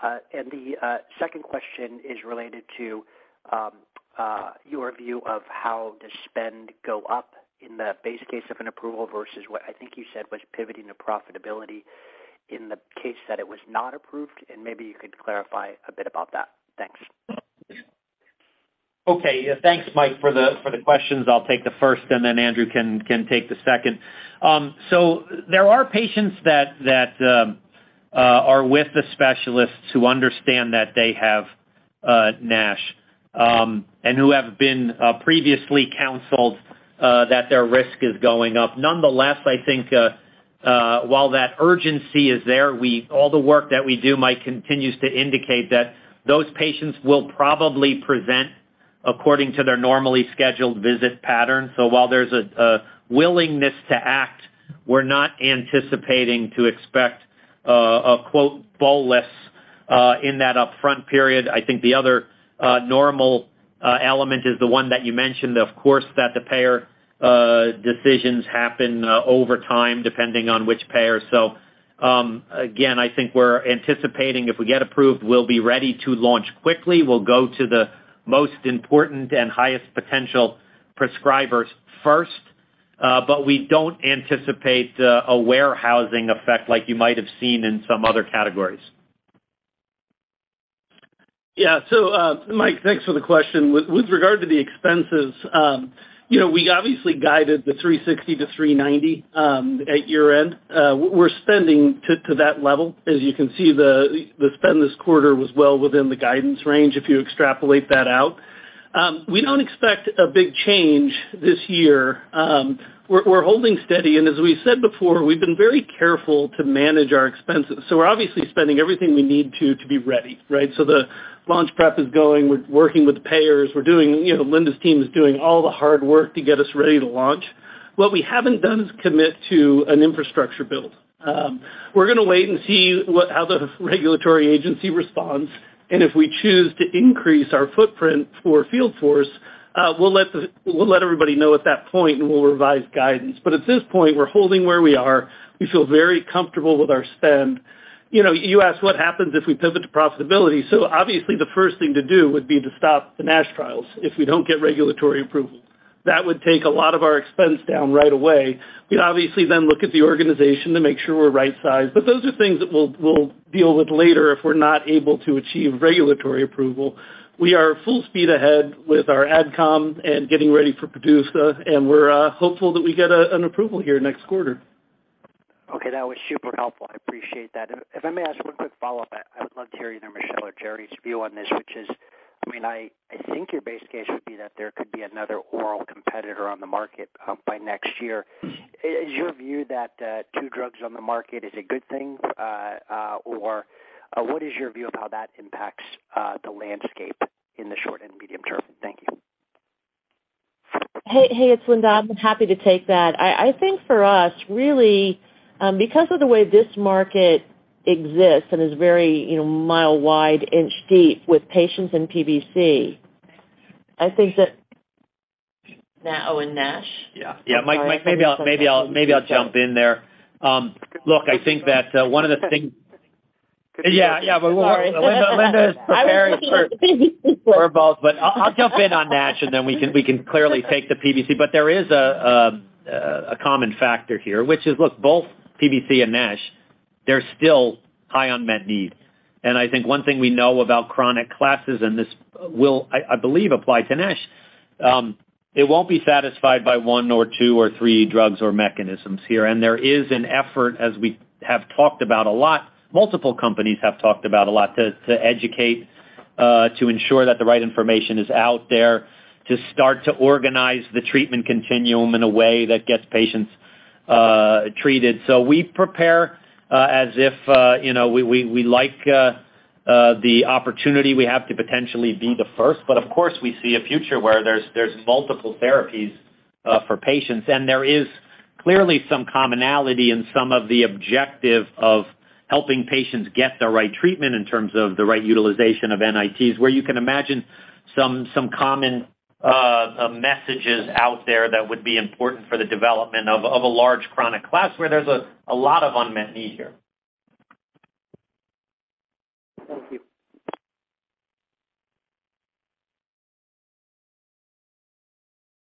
The second question is related to your view of how the spend go up in the base case of an approval versus what I think you said was pivoting to profitability in the case that it was not approved, and maybe you could clarify a bit about that. Thanks. Okay. Thanks, Mike, for the questions. I'll take the first, and then Andrew can take the second. There are patients that are with the specialists who understand that they have NASH and who have been previously counseled that their risk is going up. Nonetheless, I think, while that urgency is there, all the work that we do, Mike, continues to indicate that those patients will probably present according to their normally scheduled visit pattern. While there's a willingness to act, we're not anticipating to expect a quote, "bow less," in that upfront period. I think the other normal element is the one that you mentioned, of course, that the payer decisions happen over time, depending on which payer. Again, I think we're anticipating if we get approved, we'll be ready to launch quickly. We'll go to the most important and highest potential prescribers first, but we don't anticipate a warehousing effect like you might have seen in some other categories. Yeah. Mike, thanks for the question. With regard to the expenses, you know, we obviously guided the $360-$390 at year-end. We're spending to that level. As you can see, the spend this quarter was well within the guidance range if you extrapolate that out. We don't expect a big change this year. We're holding steady. As we said before, we've been very careful to manage our expenses. We're obviously spending everything we need to be ready, right? The launch prep is going, we're working with the payers, we're doing... You know, Linda's team is doing all the hard work to get us ready to launch. What we haven't done is commit to an infrastructure build. We're gonna wait and see how the regulatory agency responds. If we choose to increase our footprint for field force, we'll let everybody know at that point, and we'll revise guidance. At this point, we're holding where we are. We feel very comfortable with our spend. You know, you asked what happens if we pivot to profitability. Obviously, the first thing to do would be to stop the NASH trials if we don't get regulatory approval. That would take a lot of our expense down right away. We'd obviously then look at the organization to make sure we're right-sized. Those are things that we'll deal with later if we're not able to achieve regulatory approval. We are full speed ahead with our AdCom and getting ready for PDUFA, and we're hopeful that we get an approval here next quarter. Okay. That was super helpful. I appreciate that. If I may ask one quick follow-up, I would love to hear, you know, Michelle or Jerry's view on this, which is, I mean, I think your base case would be that there could be another oral competitor on the market by next year. Is your view that two drugs on the market is a good thing or what is your view of how that impacts the landscape in the short and medium term? Thank you. Hey, hey, it's Linda. I'm happy to take that. I think for us, really, because of the way this market exists and is very, you know, mile wide, inch deep with patients in PBC, I think that. Oh, in NASH? Yeah. Mike, maybe I'll jump in there. Look, I think that one of the things... Yeah. Sorry. Linda is preparing. I was looking at PBC. For both. I'll jump in on NASH, and then we can clearly take the PBC. There is a common factor here, which is, look, both PBC and NASH, there's still high unmet need. I think one thing we know about chronic classes, and this will, I believe, apply to NASH, it won't be satisfied by one or two or three drugs or mechanisms here. There is an effort, as we have talked about a lot, multiple companies have talked about a lot, to educate, to ensure that the right information is out there, to start to organize the treatment continuum in a way that gets patients treated. We prepare as if, you know, we like the opportunity we have to potentially be the first. Of course, we see a future where there's multiple therapies for patients. There is clearly some commonality in some of the objective of helping patients get the right treatment in terms of the right utilization of NITs, where you can imagine some common messages out there that would be important for the development of a large chronic class where there's a lot of unmet need here. Thank you.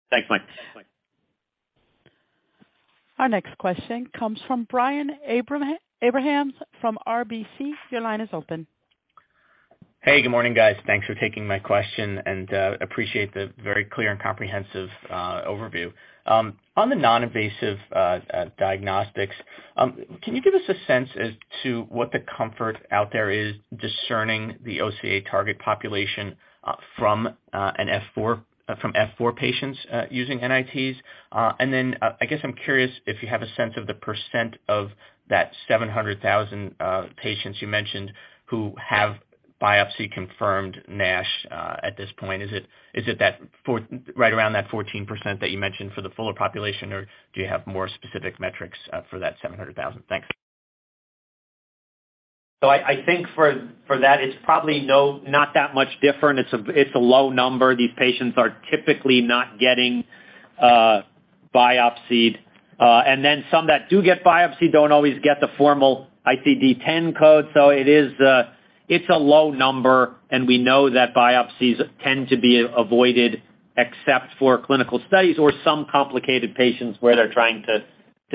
Thanks, Mike. Our next question comes from Brian Abrahams from RBC. Your line is open. Hey, good morning, guys. Thanks for taking my question, and appreciate the very clear and comprehensive overview. On the non-invasive diagnostics, can you give us a sense as to what the comfort out there is discerning the OCA target population from F4 patients using NITs? Then, I guess I'm curious if you have a sense of the % of that 700,000 patients you mentioned who have biopsy-confirmed NASH at this point. Is it right around that 14% that you mentioned for the fuller population, or do you have more specific metrics for that 700,000? Thanks. I think for that, it's probably not that much different. It's a low number. These patients are typically not getting biopsied. Some that do get biopsied don't always get the formal ICD-10 code. It is a low number, and we know that biopsies tend to be avoided except for clinical studies or some complicated patients where they're trying to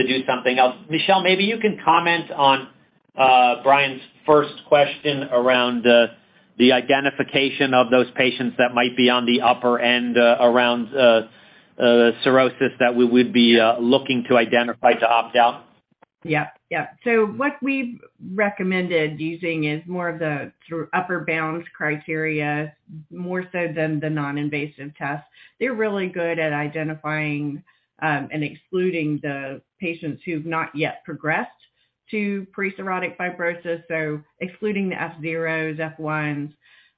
do something else. Michelle, maybe you can comment on Brian's first question around the identification of those patients that might be on the upper end around cirrhosis that we would be looking to identify to opt out. Yeah. What we've recommended using is more of the sort of upper bounds criteria, more so than the non-invasive test. They're really good at identifying and excluding the patients who've not yet progressed to pre-cirrhotic fibrosis. Excluding the F0s, F1s,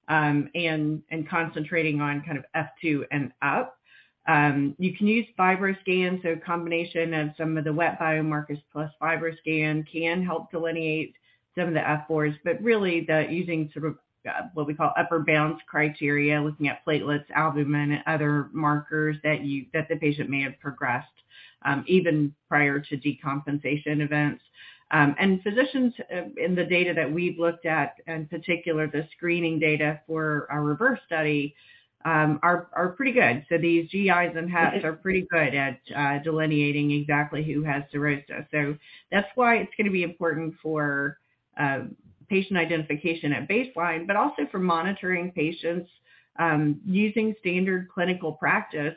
and concentrating on kind of F2 and up. You can use FibroScan, a combination of some of the wet biomarkers plus FibroScan can help delineate some of the F4s. Really the using what we call upper bounds criteria, looking at platelets, albumin and other markers that the patient may have progressed even prior to decompensation events. And physicians in the data that we've looked at, in particular the screening data for our REVERSE study, are pretty good. These GIs and APPs are pretty good at delineating exactly who has cirrhosis. That's why it's gonna be important for patient identification at baseline, but also for monitoring patients using standard clinical practice.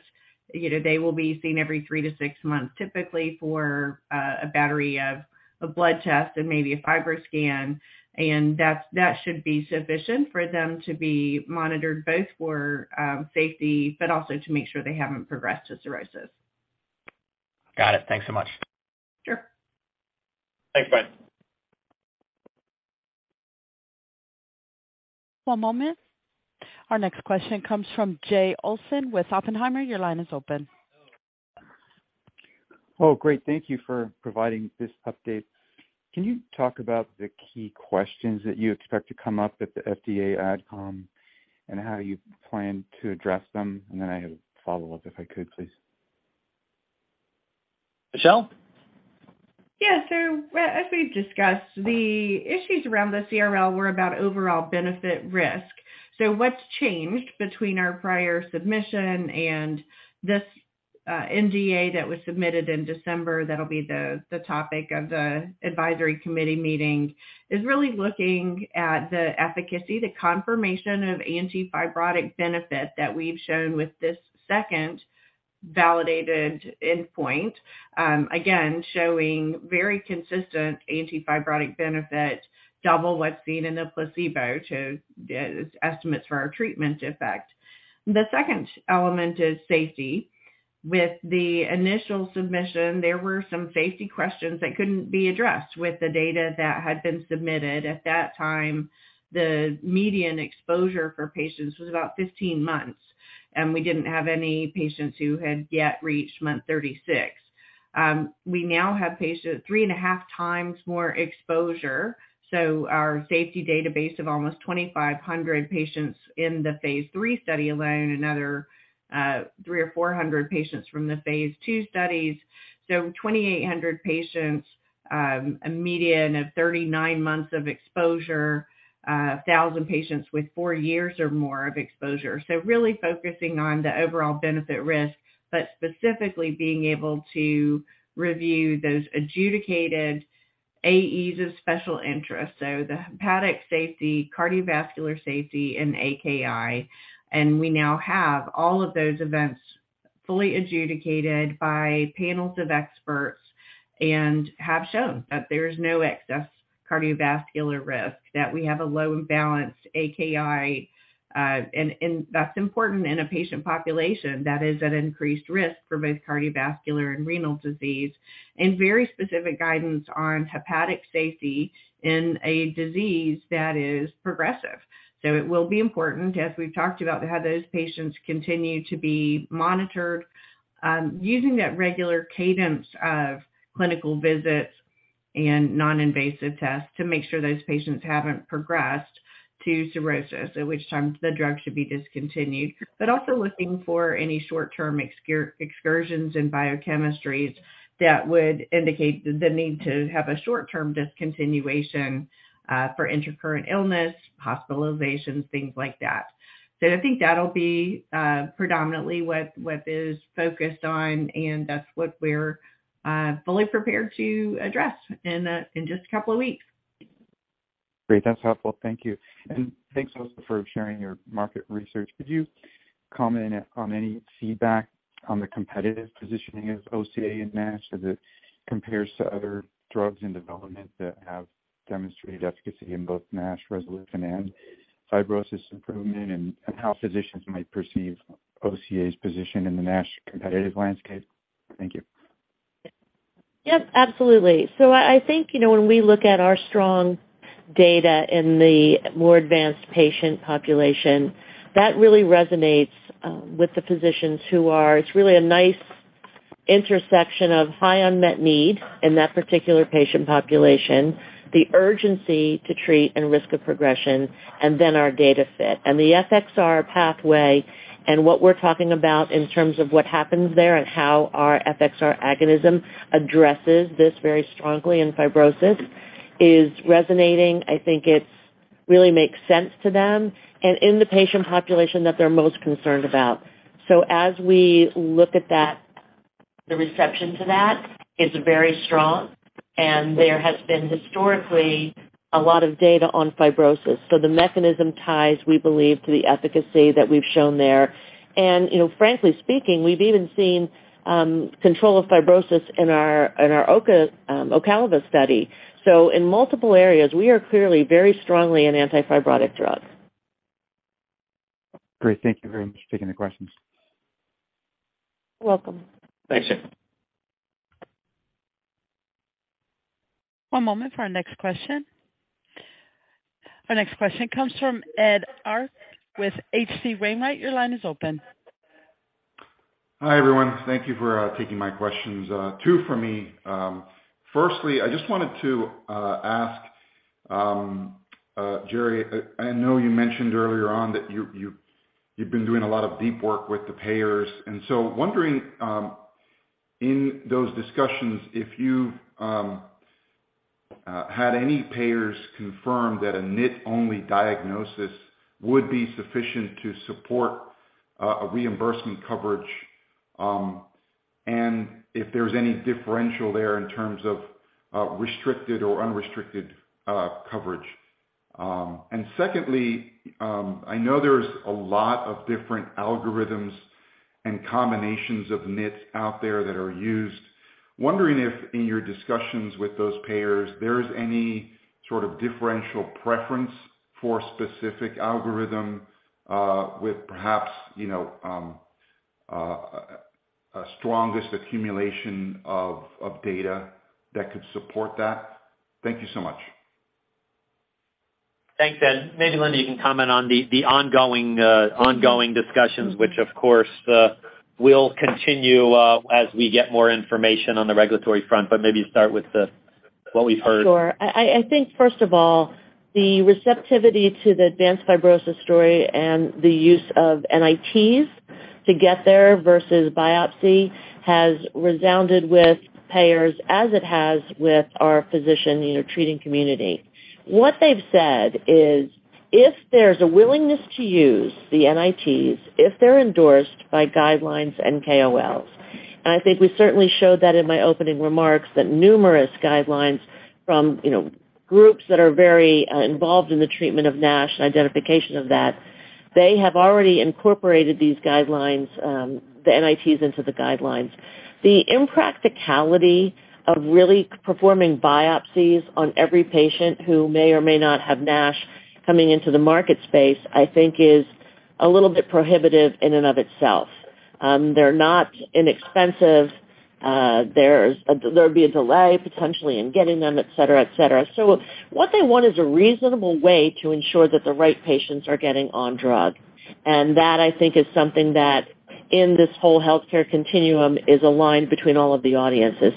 You know, they will be seen every 3 to 6 months, typically for a battery of a blood test and maybe a FibroScan. That should be sufficient for them to be monitored both for safety, but also to make sure they haven't progressed to cirrhosis. Got it. Thanks so much. Sure. Thanks, bye. One moment. Our next question comes from Jay Olson with Oppenheimer. Your line is open. Oh, great. Thank you for providing this update. Can you talk about the key questions that you expect to come up at the FDA AdCom and how you plan to address them? Then I have a follow-up, if I could please. Michelle? As we've discussed, the issues around the CRL were about overall benefit risk. What's changed between our prior submission and this NDA that was submitted in December, that'll be the topic of the advisory committee meeting, is really looking at the efficacy, the confirmation of antifibrotic benefit that we've shown with this second validated endpoint. Again, showing very consistent antifibrotic benefit, double what's seen in the placebo to estimates for our treatment effect. The second element is safety. With the initial submission, there were some safety questions that couldn't be addressed with the data that had been submitted. At that time, the median exposure for patients was about 15 months, and we didn't have any patients who had yet reached month 36. we now have patient three and a half times more exposure, so our safety database of almost 2,500 patients in the phase three study alone, another, 300 or 400 patients from the phase two studies. 2,800 patients, a median of 39 months of exposure, 1,000 patients with four years or more of exposure. Really focusing on the overall benefit risk, but specifically being able to review those adjudicated AEs of special interest, so the hepatic safety, cardiovascular safety, and AKI. We now have all of those events fully adjudicated by panels of experts and have shown that there is no excess cardiovascular risk, that we have a low and balanced AKI, and that's important in a patient population that is at increased risk for both cardiovascular and renal disease, and very specific guidance on hepatic safety in a disease that is progressive. It will be important, as we've talked about, how those patients continue to be monitored, using that regular cadence of clinical visits and non-invasive tests to make sure those patients haven't progressed to cirrhosis, at which time the drug should be discontinued. Also looking for any short-term excursions in biochemistry that would indicate the need to have a short-term discontinuation, for intercurrent illness, hospitalizations, things like that. I think that'll be predominantly what is focused on, and that's what we're fully prepared to address in just a couple of weeks. Great. That's helpful. Thank you. Thanks also for sharing your market research. Could you comment on any feedback on the competitive positioning of OCA in NASH as it compares to other drugs in development that have demonstrated efficacy in both NASH resolution and fibrosis improvement, and how physicians might perceive OCA's position in the NASH competitive landscape? Thank you. Yes, absolutely. I think, you know, when we look at our strong data in the more advanced patient population, that really resonates with the physicians who are. It's really a nice intersection of high unmet need in that particular patient population, the urgency to treat and risk of progression, and then our data fit. The FXR pathway and what we're talking about in terms of what happens there and how our FXR agonism addresses this very strongly in fibrosis is resonating. I think it really makes sense to them and in the patient population that they're most concerned about. As we look at that, the reception to that is very strong and there has been historically a lot of data on fibrosis. The mechanism ties, we believe, to the efficacy that we've shown there. You know, frankly speaking, we've even seen, control of fibrosis in our, in our OCA, OCALIVA study. In multiple areas, we are clearly very strongly an antifibrotic drug. Great. Thank you very much for taking the questions. Welcome. Thanks. One moment for our next question. Our next question comes from Ed Arce with H.C. Wainwright. Your line is open. Hi, everyone. Thank you for taking my questions. 2 for me. Firstly, I just wanted to ask Jerry, I know you mentioned earlier on that you've been doing a lot of deep work with the payers. Wondering in those discussions, if you've had any payers confirm that a NIT-only diagnosis would be sufficient to support a reimbursement coverage, and if there's any differential there in terms of restricted or unrestricted coverage. Secondly, I know there's a lot of different algorithms and combinations of NITs out there that are used. Wondering if in your discussions with those payers, there's any sort of differential preference for specific algorithm, with perhaps, you know, a strongest accumulation of data that could support that. Thank you so much. Thanks, Ed. Maybe Linda, you can comment on the ongoing discussions, which, of course, will continue as we get more information on the regulatory front, but maybe start with what we've heard. Sure. I think first of all, the receptivity to the advanced fibrosis story and the use of NITs to get there versus biopsy has resounded with payers as it has with our physician, you know, treating community. What they've said is if there's a willingness to use the NITs, if they're endorsed by guidelines and KOLs. I think we certainly showed that in my opening remarks that numerous guidelines from, you know, groups that are very involved in the treatment of NASH and identification of that, they have already incorporated these guidelines, the NITs into the guidelines. The impracticality of really performing biopsies on every patient who may or may not have NASH coming into the market space, I think is a little bit prohibitive in and of itself. They're not inexpensive. there'd be a delay potentially in getting them, et cetera, et cetera. What they want is a reasonable way to ensure that the right patients are getting on drug. That, I think, is something that in this whole healthcare continuum is aligned between all of the audiences.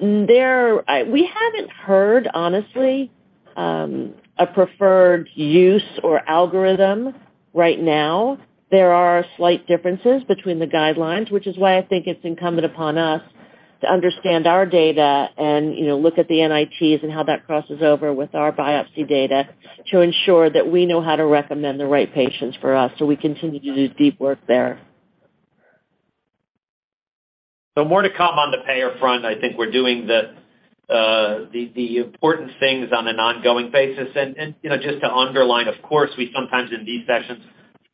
We haven't heard, honestly, a preferred use or algorithm right now. There are slight differences between the guidelines, which is why I think it's incumbent upon us to understand our data and, you know, look at the NITs and how that crosses over with our biopsy data to ensure that we know how to recommend the right patients for us. We continue to do deep work there. More to come on the payer front. I think we're doing the important things on an ongoing basis. You know, just to underline, of course, we sometimes in these sessions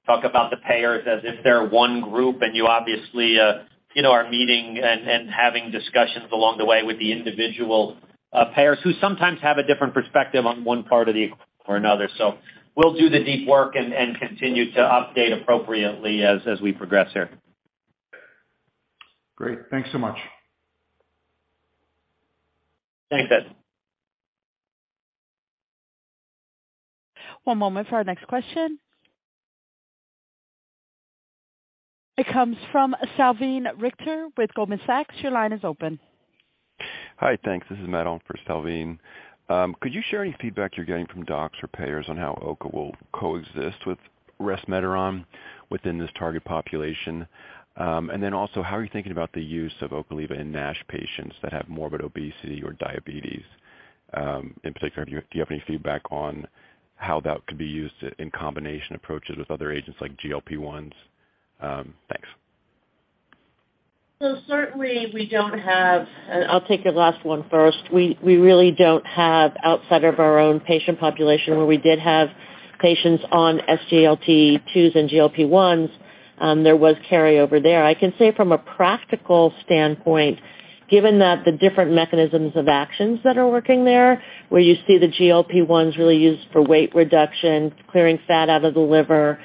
talk about the payers as if they're one group, and you obviously, you know, are meeting and having discussions along the way with the individual payers who sometimes have a different perspective on one part of the equation or another. We'll do the deep work and continue to update appropriately as we progress here. Great. Thanks so much. Thanks, Ed. One moment for our next question. It comes from Salveen Richter with Goldman Sachs. Your line is open. Hi. Thanks. This is Matt on for Salveen. Could you share any feedback you're getting from docs or payers on how OCA will coexist with resmetirom within this target population? How are you thinking about the use of Ocaliva in NASH patients that have morbid obesity or diabetes in particular? Do you have any feedback on how that could be used in combination approaches with other agents like GLP-1s? Thanks. Certainly we don't have... I'll take the last one first. We really don't have outside of our own patient population where we did have patients on SGLT2s and GLP-1s, there was carryover there. I can say from a practical standpoint, given that the different mechanisms of actions that are working there, where you see the GLP-1s really used for weight reduction, clearing fat out of the liver,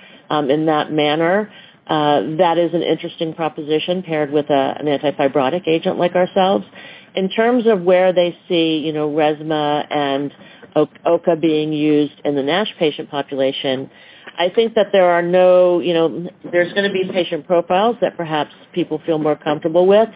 in that manner, that is an interesting proposition paired with an antifibrotic agent like ourselves. In terms of where they see, you know, resmetirom and OCA being used in the NASH patient population, I think that there are no, you know, there's gonna be patient profiles that perhaps people feel more comfortable with.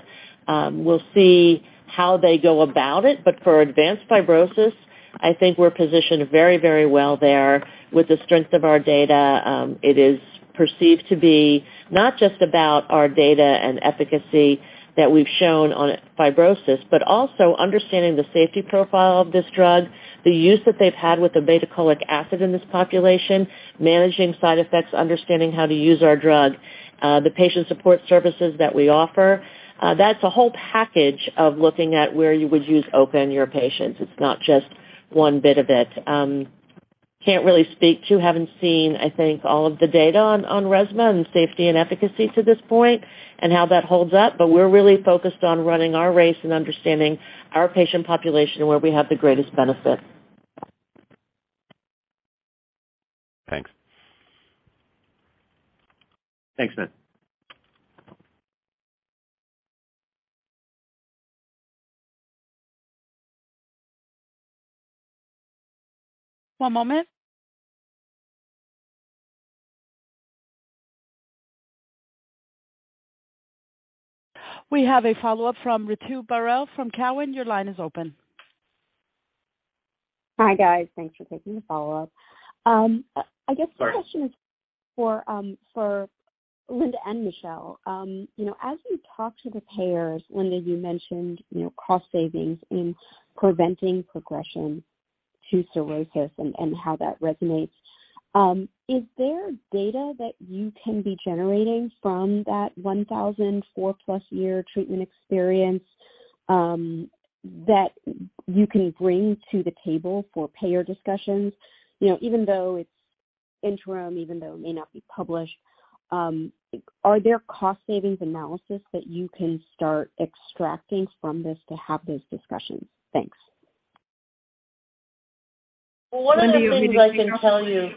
We'll see how they go about it. For advanced fibrosis, I think we're positioned very, very well there with the strength of our data. It is perceived to be not just about our data and efficacy that we've shown on fibrosis, but also understanding the safety profile of this drug, the use that they've had with the obeticholic acid in this population, managing side effects, understanding how to use our drug, the patient support services that we offer. That's a whole package of looking at where you would use OCA in your patients. It's not just one bit of it. Can't really speak to, haven't seen, I think, all of the data on resmetirom and safety and efficacy to this point and how that holds up, but we're really focused on running our race and understanding our patient population where we have the greatest benefit. Thanks. Thanks, man. One moment. We have a follow-up from Ritu Baral from Cowen. Your line is open. Hi, guys. Thanks for taking the follow-up. I guess the question is for Linda and Michelle. You know, as you talk to the payers, Linda, you mentioned, you know, cost savings in preventing progression to cirrhosis and how that resonates. Is there data that you can be generating from that 1,004-plus year treatment experience that you can bring to the table for payer discussions? You know, even though it's interim, even though it may not be published, are there cost savings analysis that you can start extracting from this to have those discussions? Thanks. Well, one of the things I can tell you.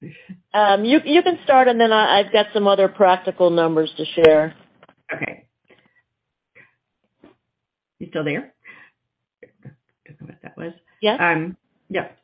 Linda, you want me to? You can start, and then I've got some other practical numbers to share. Okay. You still there? Don't know what that was. Yes. Yep.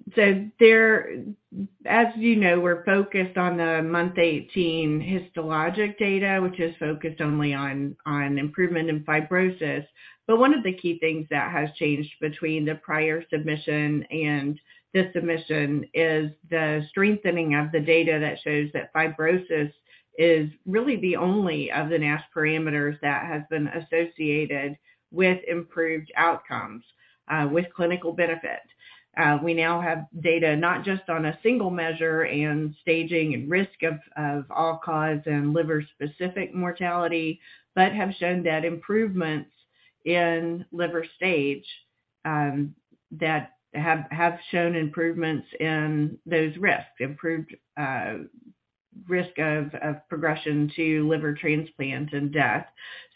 As you know, we're focused on the month 18 histologic data, which is focused only on improvement in fibrosis. One of the key things that has changed between the prior submission and this submission is the strengthening of the data that shows that fibrosis is really the only of the NASH parameters that has been associated with improved outcomes with clinical benefit. We now have data not just on a single measure and staging and risk of all-cause and liver-specific mortality, but have shown that improvements in liver stage that have shown improvements in those risks, improved risk of progression to liver transplant and death.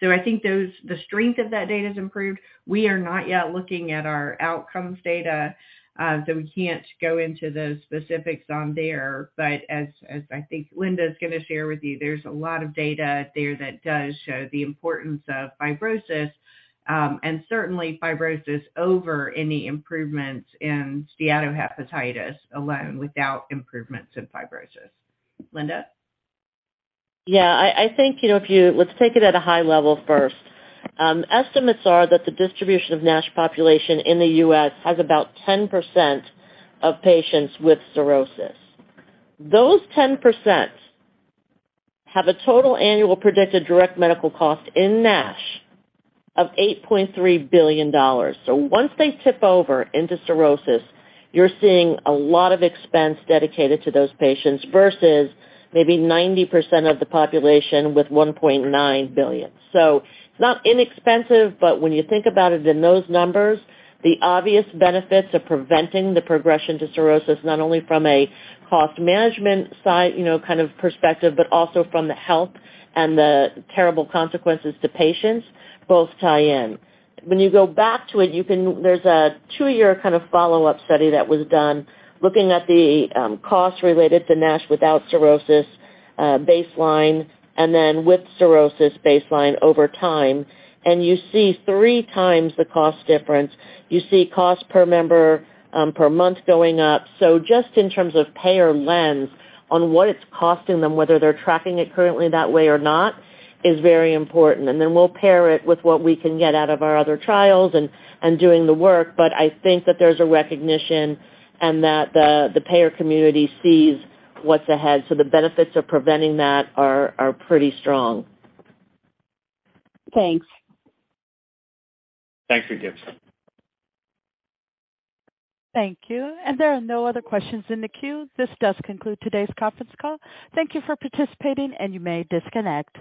The strength of that data's improved. We are not yet looking at our outcomes data, so we can't go into the specifics on there. As I think Linda's gonna share with you, there's a lot of data there that does show the importance of fibrosis, and certainly fibrosis over any improvements in steatohepatitis alone without improvements in fibrosis. Linda. I think, you know, let's take it at a high level first. Estimates are that the distribution of NASH population in the U.S. has about 10% of patients with cirrhosis. Those 10% have a total annual predicted direct medical cost in NASH of $8.3 billion. Once they tip over into cirrhosis, you're seeing a lot of expense dedicated to those patients versus maybe 90% of the population with $1.9 billion. It's not inexpensive, but when you think about it in those numbers, the obvious benefits of preventing the progression to cirrhosis, not only from a cost management side, you know, kind of perspective, but also from the health and the terrible consequences to patients both tie in. When you go back to it, you can... There's a 2-year kind of follow-up study that was done looking at the costs related to NASH without cirrhosis, baseline, and then with cirrhosis baseline over time. You see 3 times the cost difference. You see cost per member per month going up. Just in terms of payer lens on what it's costing them, whether they're tracking it currently that way or not, is very important. We'll pair it with what we can get out of our other trials and doing the work. I think that there's a recognition and that the payer community sees what's ahead. The benefits of preventing that are pretty strong. Thanks. Thanks, Ritu. Thank you. There are no other questions in the queue. This does conclude today's conference call. Thank you for participating, and you may disconnect.